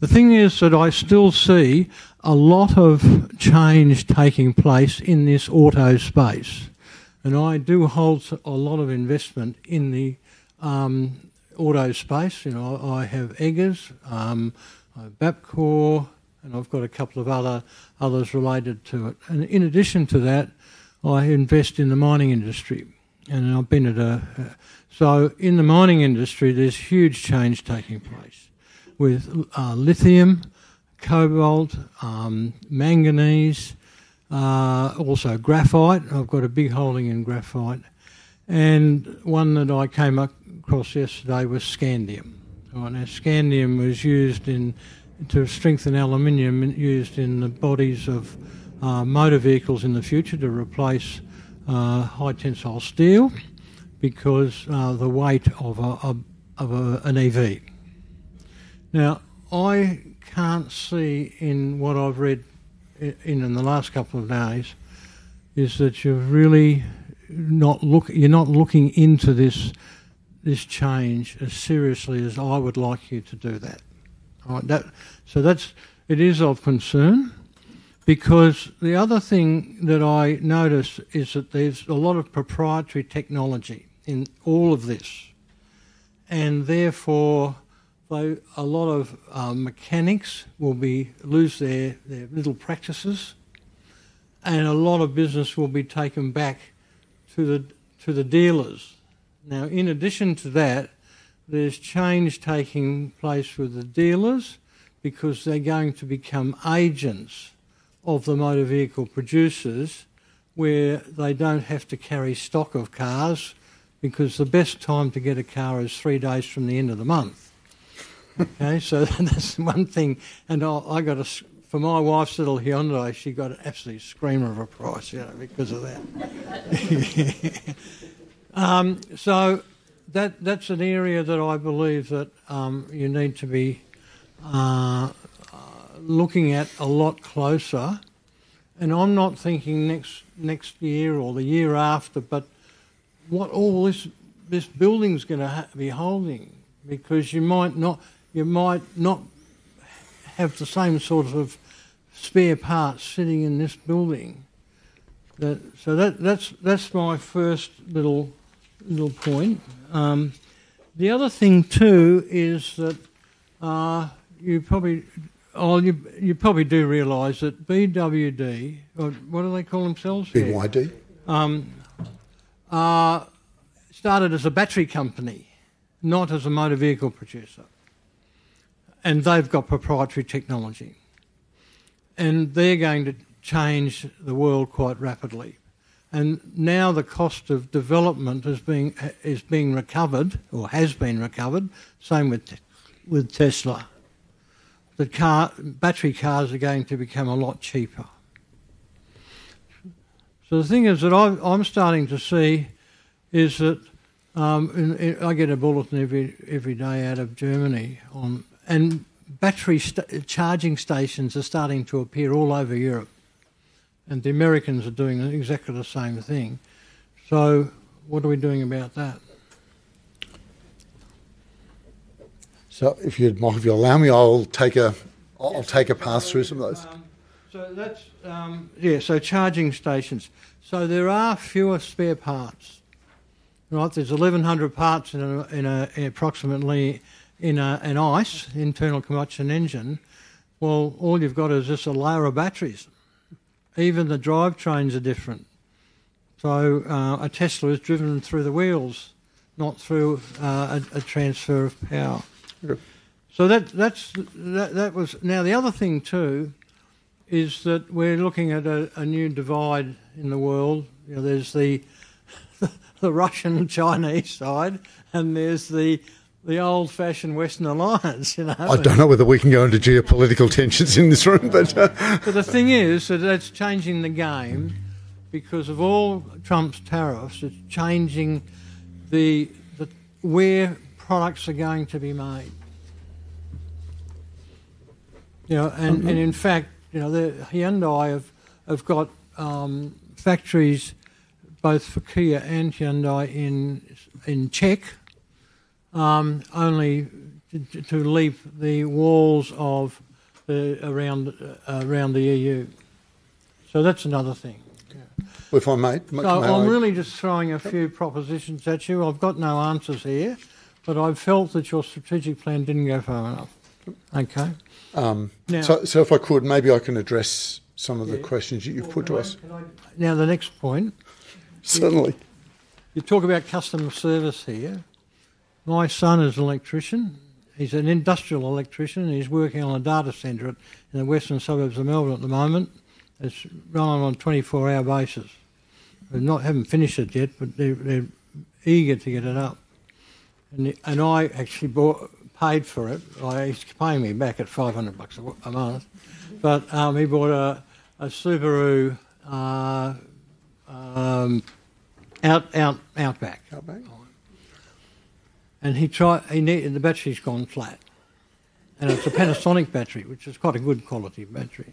O: The thing is that I still see a lot of change taking place in this auto space. I do hold a lot of investment in the auto space. I have Eggers, I have Bapcor, and I've got a couple of others related to it. In addition to that, I invest in the mining industry. In the mining industry, there's huge change taking place with lithium, cobalt, manganese, also graphite. I've got a big holding in graphite. One that I came across yesterday was scandium. Scandium was used to strengthen aluminium used in the bodies of motor vehicles in the future to replace high-tensile steel because of the weight of an EV. I can't see in what I've read in the last couple of days that you're really not looking into this change as seriously as I would like you to do that. It is of concern because the other thing that I noticed is that there's a lot of proprietary technology in all of this. Therefore, a lot of mechanics will lose their little practices, and a lot of business will be taken back to the dealers. In addition to that, there's change taking place with the dealers because they're going to become agents of the motor vehicle producers where they don't have to carry stock of cars because the best time to get a car is three days from the end of the month. That's one thing. For my wife's little Hyundai, she got an absolute screamer of a price because of that. That's an area that I believe that you need to be looking at a lot closer. I'm not thinking next year or the year after, but what all this building's going to be holding because you might not have the same sort of spare parts sitting in this building. That's my first little point. The other thing too is that you probably do realize that 4WD systems, what do they call themselves?
A: BYD.
O: Started as a battery company, not as a motor vehicle producer. They've got proprietary technology, and they're going to change the world quite rapidly. Now the cost of development is being recovered or has been recovered, same with Tesla. The battery cars are going to become a lot cheaper. The thing that I'm starting to see is that I get a bulletin every day out of Germany. Battery charging stations are starting to appear all over Europe. The Americans are doing exactly the same thing. What are we doing about that?
A: If you allow me, I'll take a pass through some of those.
O: Charging stations. There are fewer spare parts. There's 1,100 parts in approximately an ICE, internal combustion engine. All you've got is just a layer of batteries. Even the drivetrains are different. A Tesla is driven through the wheels, not through a transfer of power. Now the other thing too is that we're looking at a new divide in the world. There's the Russian-Chinese side and there's the old-fashioned Western alliance.
A: I don't know whether we can go into geopolitical tensions in this room.
O: It's changing the game because of all Trump's tariffs. It's changing where products are going to be made. In fact, Hyundai have got factories both for Kia and Hyundai in Czech only to leap the walls around the EU. That's another thing. If I may, I'm really just throwing a few propositions at you. I've got no answers here, but I felt that your strategic plan didn't go far enough. Okay.
A: If I could, maybe I can address some of the questions that you've put to us.
O: Now, the next point.
A: Certainly.
O: You talk about customer service here. My son is an electrician. He's an industrial electrician and he's working on a data center in the western suburbs of Melbourne at the moment. It's running on a 24-hour basis. They haven't finished it yet, but they're eager to get it up. I actually paid for it. He's paying me back at $500 a month. He bought a Subaru Outback, and the battery's gone flat. It's a Panasonic battery, which is quite a good quality battery.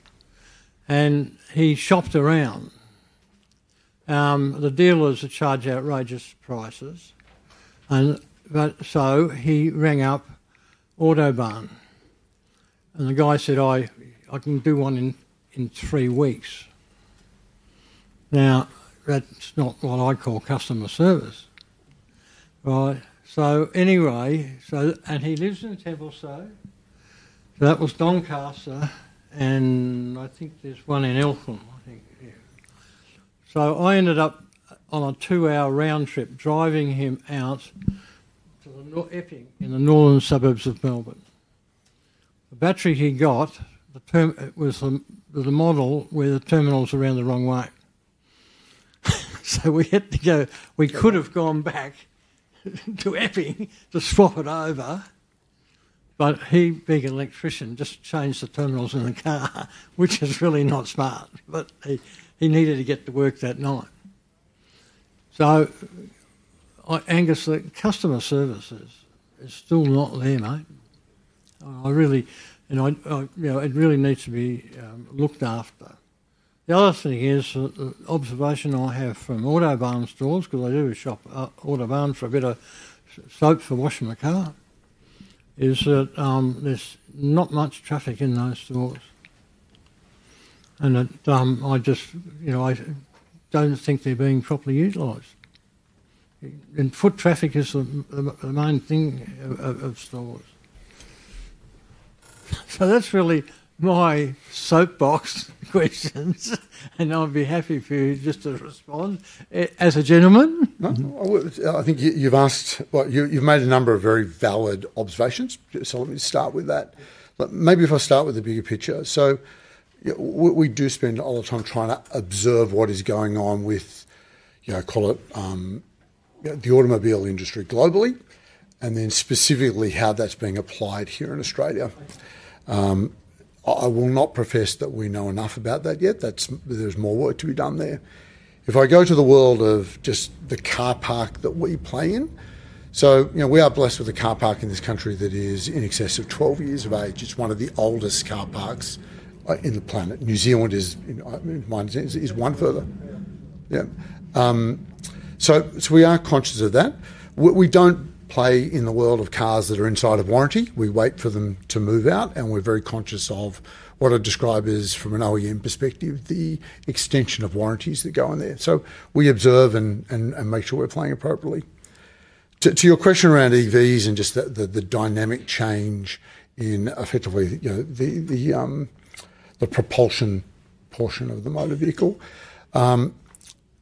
O: He shopped around. The dealers charge outrageous prices. He rang up Autobarn, and the guy said, "I can do one in three weeks." That's not what I call customer service. He lives in Templestowe. That was Doncaster, and I think there's one in Eltham. I ended up on a two-hour round trip driving him out to the northern suburbs of Melbourne. The battery he got was the model where the terminals were the wrong way. We could have gone back to Epping to swap it over, but he, being an electrician, just changed the terminals in the car, which is really not smart. He needed to get to work that night. Angus, the customer service is still not there, mate, and it really needs to be looked after. The other thing is the observation I have from Autobarn stores, because I do shop at Autobarn for a bit of soap for washing the car, is that there's not much traffic in those stores. I just don't think they're being properly utilized, and foot traffic is the main thing of stores. That's really my soapbox questions, and I'd be happy for you just to respond as a gentleman.
A: I think you've asked, you've made a number of very valid observations. Let me start with that. Maybe if I start with the bigger picture. We do spend a lot of time trying to observe what is going on with, you know, call it the automobile industry globally, and then specifically how that's being applied here in Australia. I will not profess that we know enough about that yet. There's more work to be done there. If I go to the world of just the car park that we play in, we are blessed with a car park in this country that is in excess of 12 years of age. It's one of the oldest car parks on the planet. New Zealand is one further. We are conscious of that. We don't play in the world of cars that are inside of warranty. We wait for them to move out. We're very conscious of what I describe as, from an OEM perspective, the extension of warranties that go in there. We observe and make sure we're playing appropriately. To your question around EVs and just the dynamic change in effectively the propulsion portion of the motor vehicle,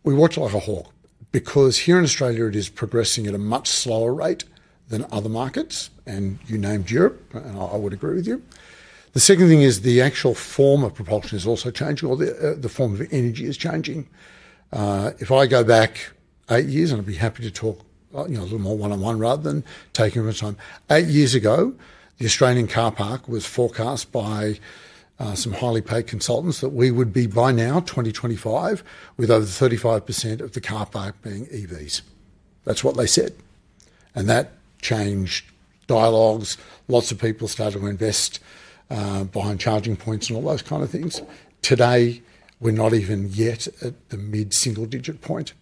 A: we watch like a hawk because here in Australia, it is progressing at a much slower rate than other markets. You named Europe, and I would agree with you. The second thing is the actual form of propulsion is also changing. The form of energy is changing. If I go back eight years, and I'd be happy to talk a little more one-on-one rather than taking up your time. Eight years ago, the Australian car park was forecast by some highly paid consultants that we would be by now 2025 with over 35% of the car park being EVs. That's what they said. That changed dialogues. Lots of people started to invest behind charging points and all those kinds of things. Today, we're not even yet at the mid-single-digit point.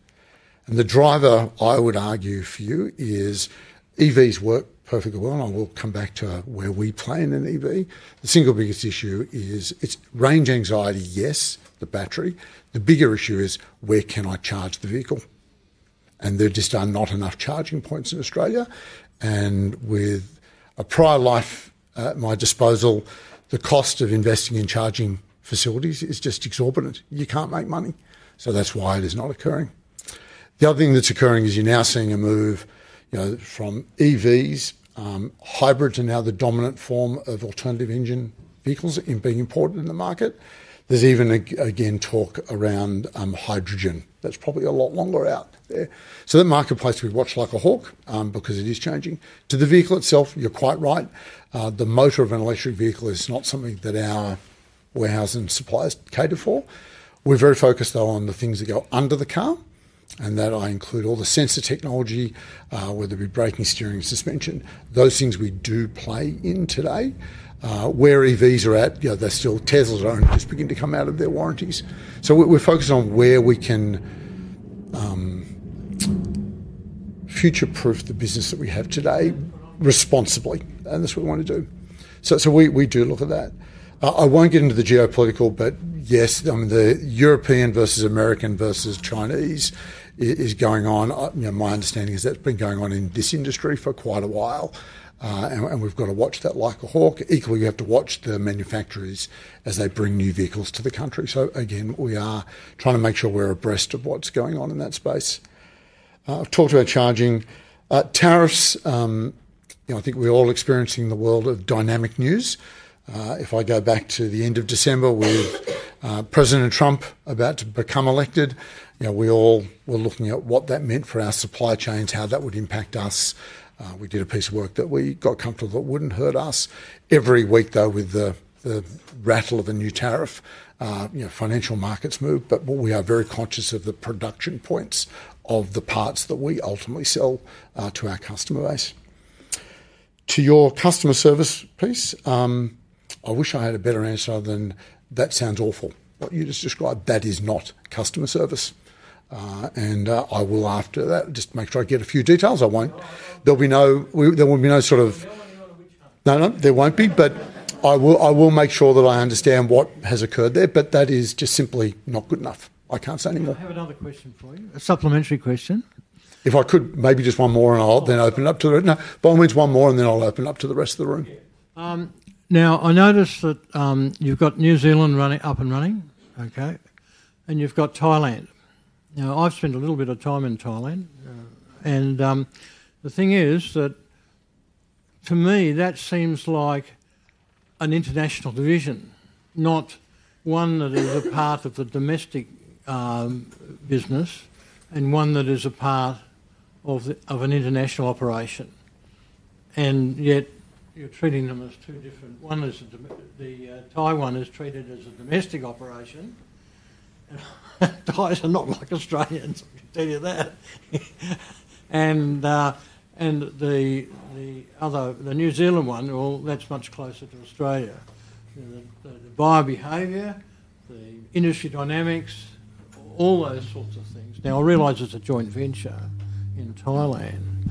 A: The driver, I would argue for you, is EVs work perfectly well. I will come back to where we play in an EV. The single biggest issue is it's range anxiety, yes, the battery. The bigger issue is where can I charge the vehicle? There just are not enough charging points in Australia. With a prior life at my disposal, the cost of investing in charging facilities is just exorbitant. You can't make money. That's why it is not occurring. The other thing that's occurring is you're now seeing a move from EVs. Hybrids are now the dominant form of alternative engine vehicles being imported in the market. There's even, again, talk around hydrogen. That's probably a lot longer out there. The marketplace could watch like a hawk because it is changing. To the vehicle itself, you're quite right. The motor of an electric vehicle is not something that our warehouses and suppliers cater for. We're very focused on the things that go under the car, and that includes all the sensor technology, whether it be braking, steering, and suspension. Those things we do play in today. Where EVs are at, they're still Teslas only just beginning to come out of their warranties. We're focused on where we can future-proof the business that we have today responsibly. That's what we want to do. We do look at that. I won't get into the geopolitical, but yes, the European versus American versus Chinese is going on. My understanding is that's been going on in this industry for quite a while. We've got to watch that like a hawk. Equally, we have to watch the manufacturers as they bring new vehicles to the country. We are trying to make sure we're abreast of what's going on in that space. I've talked about charging tariffs. I think we're all experiencing the world of dynamic news. If I go back to the end of December with President Trump about to become elected, we all were looking at what that meant for our supply chains, how that would impact us. We did a piece of work that we got comfortable that wouldn't hurt us. Every week, with the rattle of a new tariff, financial markets move. We are very conscious of the production points of the parts that we ultimately sell to our customer base. To your customer service piece, I wish I had a better answer other than that sounds awful. What you just described, that is not customer service. I will after that just make sure I get a few details. I won't. There will be no sort of... No, no, there won't be, but I will make sure that I understand what has occurred there. That is just simply not good enough. I can't say anymore.
O: I have another question for you, a supplementary question.
A: If I could, maybe just one more, and I'll then open it up to the room. By all means, one more, and then I'll open it up to the rest of the room.
O: Now, I noticed that you've got New Zealand up and running. Okay. And you've got Thailand. I’ve spent a little bit of time in Thailand. The thing is that to me, that seems like an international division, not one that is a part of the domestic business and one that is a part of an international operation. Yet, you're treating them as two different... One is the Thai one is treated as a domestic operation. Thais are not like Australians. I can tell you that. The New Zealand one, that's much closer to Australia. The buyer behavior, the industry dynamics, all those sorts of things. I realize it's a joint venture in Thailand.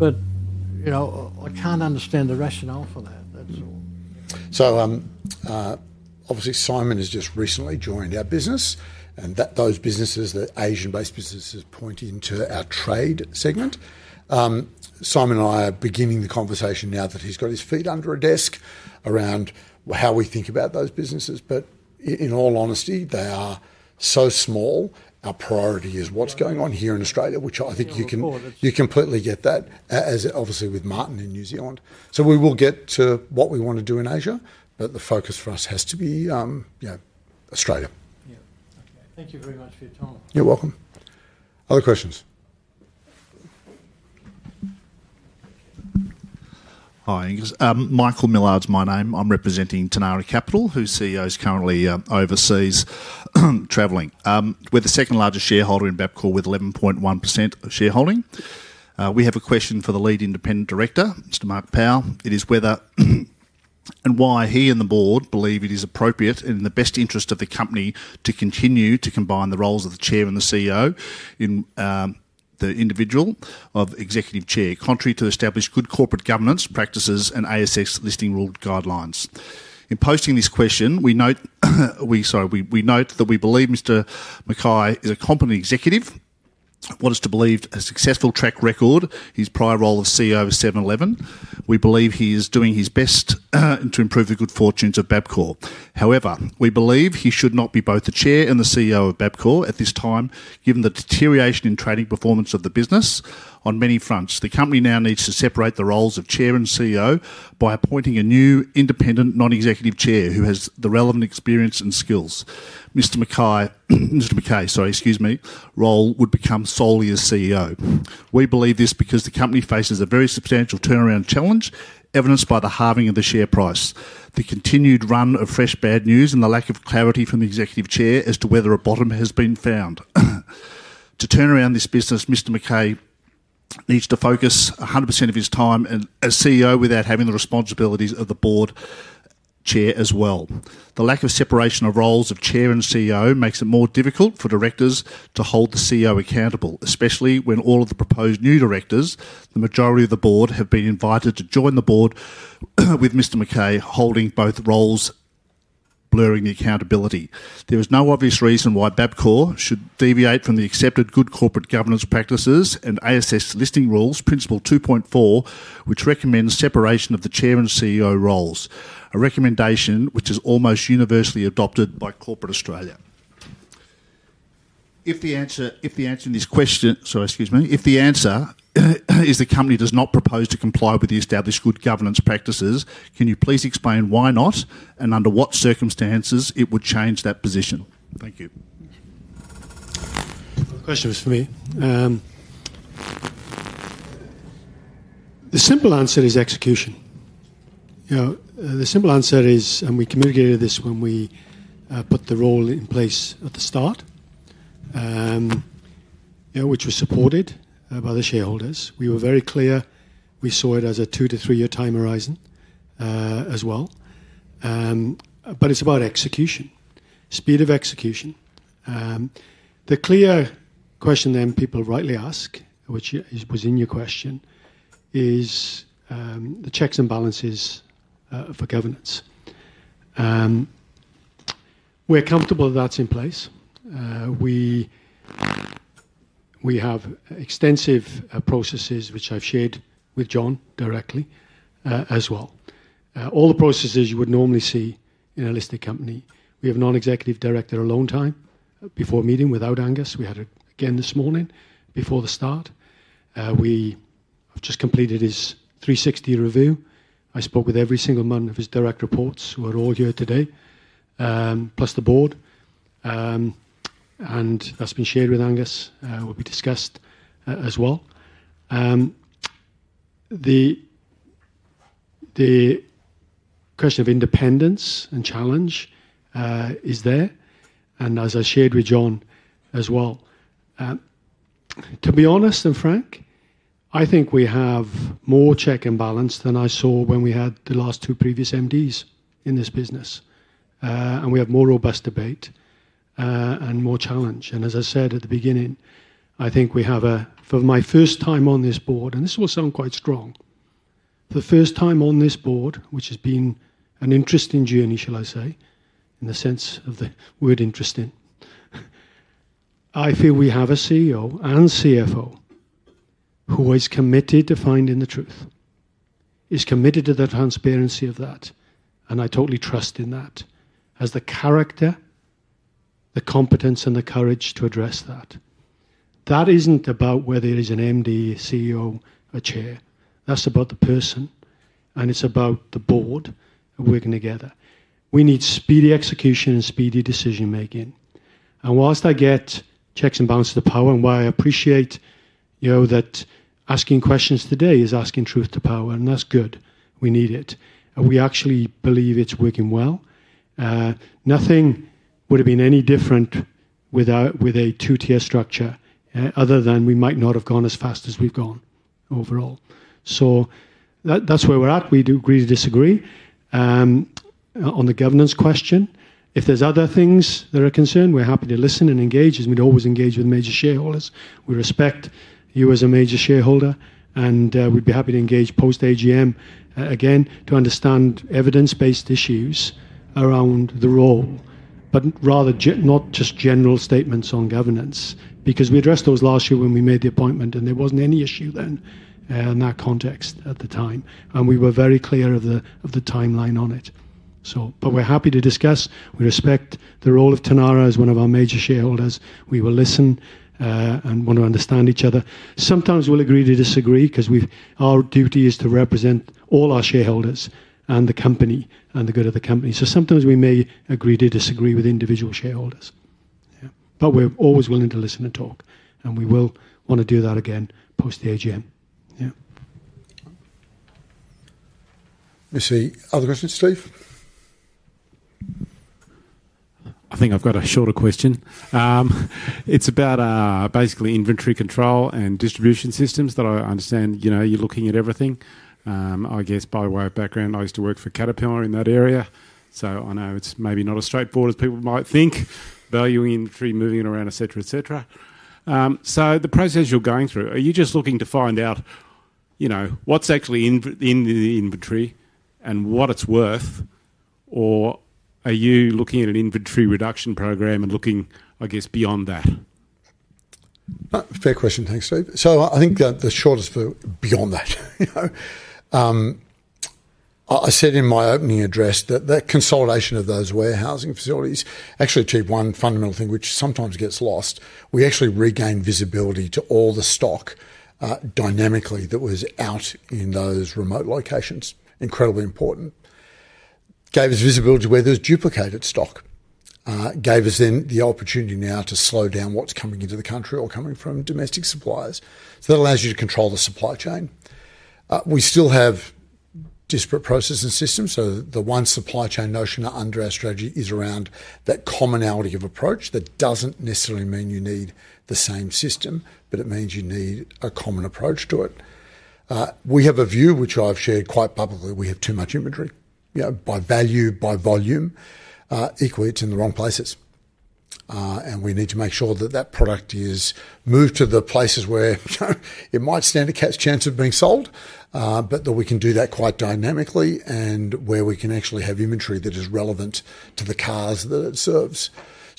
O: I can't understand the rationale for that. That's all.
A: Obviously, Simon has just recently joined our business, and those businesses, the Asian-based businesses, point into our trade segment. Simon and I are beginning the conversation now that he's got his feet under a desk around how we think about those businesses. In all honesty, they are so small. Our priority is what's going on here in Australia, which I think you can completely get that, as obviously with Martin in New Zealand. We will get to what we want to do in Asia, but the focus for us has to be Australia.
O: Thank you very much for your time.
A: You're welcome. Other questions?
P: Hi, Angus. Michael Millard's my name. I'm representing Tanarra Capital, whose CEO is currently overseas traveling. We're the second largest shareholder in Bapcor, with 11.1% of shareholding. We have a question for the Lead Independent Director, Mr. Mark Powell. It is whether and why he and the board believe it is appropriate and in the best interest of the company to continue to combine the roles of the Chair and the CEO in the individual of Executive Chair, contrary to established good corporate governance practices and ASX listing rule guidelines. In posting this question, we note that we believe Mr. McKay is a company executive, what is to believe a successful track record, his prior role as CEO of 7-Eleven. We believe he is doing his best to improve the good fortunes of Bapcor. However, we believe he should not be both the Chair and the CEO of Bapcor at this time, given the deterioration in trading performance of the business on many fronts. The company now needs to separate the roles of Chair and CEO by appointing a new independent non-executive Chair who has the relevant experience and skills. Mr. McKay, sorry, excuse me, role would become solely a CEO. We believe this because the company faces a very substantial turnaround challenge, evidenced by the halving of the share price, the continued run of fresh bad news, and the lack of clarity from the Executive Chair as to whether a bottom has been found. To turn around this business, Mr. McKay needs to focus 100% of his time as CEO without having the responsibilities of the Board Chair as well. The lack of separation of roles of Chair and CEO makes it more difficult for directors to hold the CEO accountable, especially when all of the proposed new directors, the majority of the board, have been invited to join the board with Mr. McKay holding both roles, blurring the accountability. There is no obvious reason why Bapcor should deviate from the accepted good corporate governance practices and ASX listing rules, principle 2.4, which recommends separation of the Chair and CEO roles, a recommendation which is almost universally adopted by corporate Australia. If the answer to this question, sorry, excuse me, if the answer is the company does not propose to comply with the established good governance practices, can you please explain why not and under what circumstances it would change that position? Thank you.
M: The question was for me. The simple answer is execution. The simple answer is, and we communicated this when we put the role in place at the start, which was supported by the shareholders. We were very clear. We saw it as a two to three-year time horizon as well. It's about execution, speed of execution. The clear question then people rightly ask, which was in your question, is the checks and balances for governance. We're comfortable that that's in place. We have extensive processes, which I've shared with John directly as well. All the processes you would normally see in a listed company. We have non-executive director alone time before meeting without Angus. We had it again this morning before the start. I've just completed his 360 review. I spoke with every single man of his direct reports, who are all here today, plus the board. That's been shared with Angus, will be discussed as well. The question of independence and challenge is there. As I shared with John as well, to be honest and frank, I think we have more check and balance than I saw when we had the last two previous MDs in this business. We have more robust debate and more challenge. As I said at the beginning, I think we have a, for my first time on this board, and this will sound quite strong, for the first time on this board, which has been an interesting journey, shall I say, in the sense of the word interesting. I feel we have a CEO and CFO who is committed to finding the truth, is committed to the transparency of that. I totally trust in that as the character, the competence, and the courage to address that. That isn't about whether it is an MD, CEO, or Chair. That's about the person. It's about the board working together. We need speedy execution and speedy decision-making. Whilst I get checks and balances to power, and why I appreciate that asking questions today is asking truth to power, and that's good. We need it. We actually believe it's working well. Nothing would have been any different with a two-tier structure other than we might not have gone as fast as we've gone overall. That's where we're at. We do agree to disagree on the governance question. If there's other things that are concerned, we're happy to listen and engage, as we'd always engage with major shareholders. We respect you as a major shareholder. We'd be happy to engage post-AGM again to understand evidence-based issues around the role, rather than just general statements on corporate governance because we addressed those last year when we made the appointment, and there wasn't any issue then in that context at the time. We were very clear of the timeline on it. We're happy to discuss. We respect the role of Tanarra Capital as one of our major shareholders. We will listen and want to understand each other. Sometimes we'll agree to disagree because our duty is to represent all our shareholders and the company and the good of the company. Sometimes we may agree to disagree with individual shareholders, but we're always willing to listen and talk. We will want to do that again post-AGM.
A: Let's see. Other questions, Steve?
B: I think I've got a shorter question. It's about basically inventory control and distribution systems that I understand you're looking at everything. I guess by way of background, I used to work for Caterpillar in that area. I know it's maybe not as straightforward as people might think, value inventory, moving it around, et cetera, et cetera. The process you're going through, are you just looking to find out what's actually in the inventory and what it's worth, or are you looking at an inventory reduction program and looking, I guess, beyond that?
A: Fair question. Thanks, Steve. I think the short answer is beyond that. I said in my opening address that consolidation of those warehousing facilities actually achieved one fundamental thing, which sometimes gets lost. We actually regained visibility to all the stock dynamically that was out in those remote locations, incredibly important. It gave us visibility to where there was duplicated stock. It gave us the opportunity now to slow down what's coming into the country or coming from domestic suppliers. That allows you to control the supply chain. We still have disparate processes and systems. The one supply chain notion under our strategy is around that commonality of approach. That doesn't necessarily mean you need the same system, but it means you need a common approach to it. We have a view, which I've shared quite publicly, we have too much inventory. By value, by volume, equally, it's in the wrong places. We need to make sure that product is moved to the places where it might stand a chance of being sold, that we can do that quite dynamically and where we can actually have inventory that is relevant to the cars that it serves.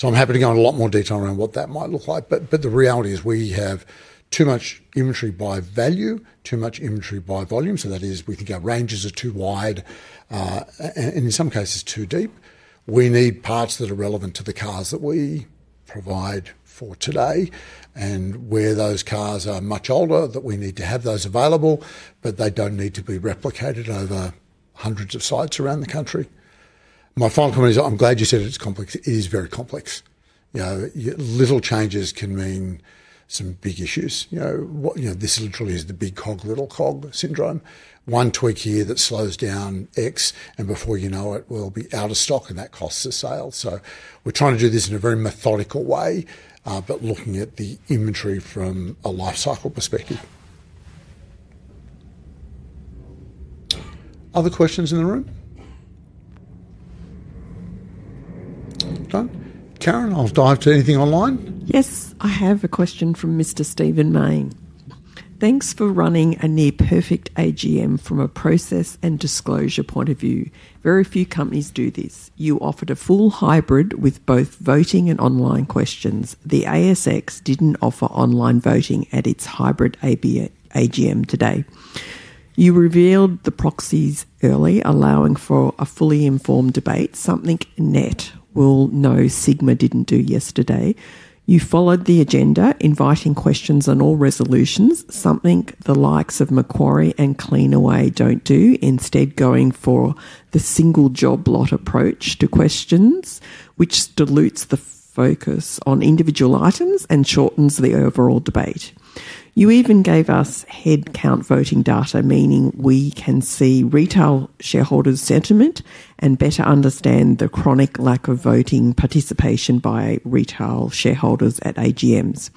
A: I'm happy to go into a lot more detail around what that might look like, but the reality is we have too much inventory by value, too much inventory by volume. That is, we think our ranges are too wide, and in some cases, too deep. We need parts that are relevant to the cars that we provide for today. Where those cars are much older, we need to have those available, but they don't need to be replicated over hundreds of sites around the country. My final comment is I'm glad you said it's complex. It is very complex. Little changes can mean some big issues. This literally is the big cog, little cog syndrome. One tweak here that slows down X, and before you know it, we'll be out of stock, and that costs a sale. We're trying to do this in a very methodical way, looking at the inventory from a lifecycle perspective. Other questions in the room? Done. Karen, I'll dive to anything online.
E: Yes, I have a question from Mr. Steven Main. Thanks for running a near-perfect AGM from a process and disclosure point of view. Very few companies do this. You offered a full hybrid with both voting and online questions. The ASX didn't offer online voting at its hybrid AGM today. You revealed the proxies early, allowing for a fully informed debate, something NET will know Sigma didn't do yesterday. You followed the agenda, inviting questions and all resolutions, something the likes of Macquarie and Cleanaway don't do, instead going for the single-job lot approach to questions, which dilutes the focus on individual items and shortens the overall debate. You even gave us headcount voting data, meaning we can see retail shareholders' sentiment and better understand the chronic lack of voting participation by retail shareholders at AGMs.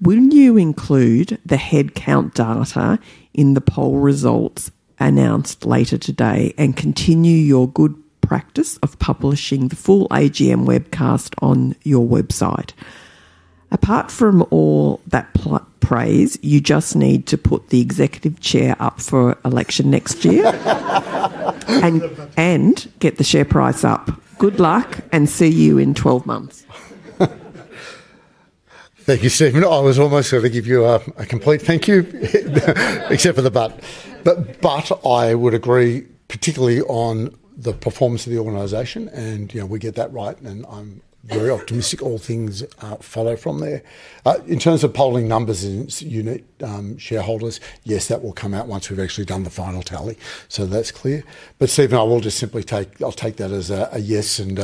E: Wouldn't you include the headcount data in the poll results announced later today and continue your good practice of publishing the full AGM webcast on your website? Apart from all that praise, you just need to put the Executive Chair up for election next year and get the share price up. Good luck and see you in 12 months.
A: Thank you, Steven. I was almost going to give you a complete thank you, except for the but. I would agree, particularly on the performance of the organization. We get that right. I'm very optimistic all things follow from there. In terms of polling numbers in its unique shareholders, yes, that will come out once we've actually done the final tally. That's clear. Steven, I will just simply take, I'll take that as a yes and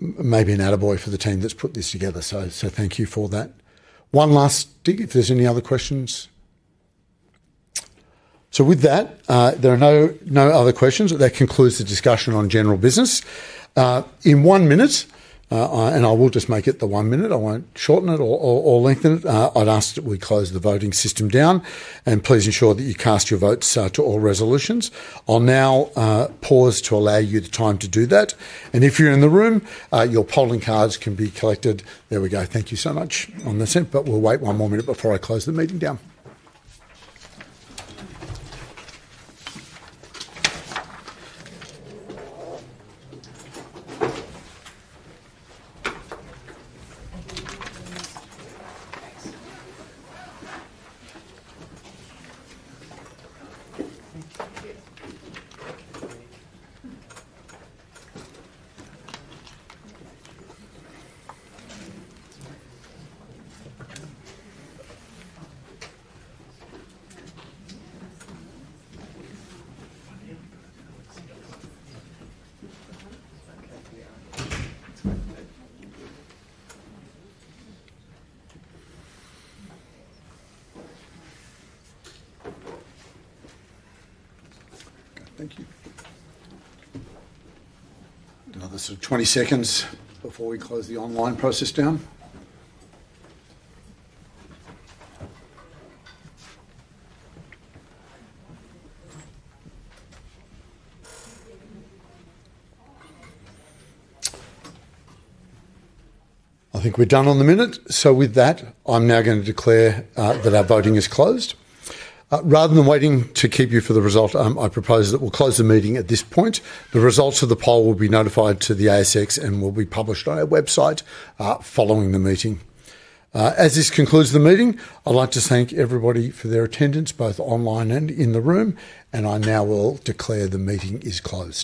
A: maybe an attaboy for the team that's put this together. Thank you for that. One last thing, if there's any other questions. With that, there are no other questions. That concludes the discussion on general business. In one minute, and I will just make it the one minute, I won't shorten it or lengthen it, I'd ask that we close the voting system down. Please ensure that you cast your votes to all resolutions. I'll now pause to allow you the time to do that. If you're in the room, your polling cards can be collected. There we go. Thank you so much on this end. We'll wait one more minute before I close the meeting down. Thank you. Another sort of 20 seconds before we close the online process down. I think we're done on the minute. With that, I'm now going to declare that our voting is closed. Rather than waiting to keep you for the result, I propose that we'll close the meeting at this point. The results of the poll will be notified to the ASX and will be published on our website following the meeting. As this concludes the meeting, I'd like to thank everybody for their attendance, both online and in the room. I now will declare the meeting is closed.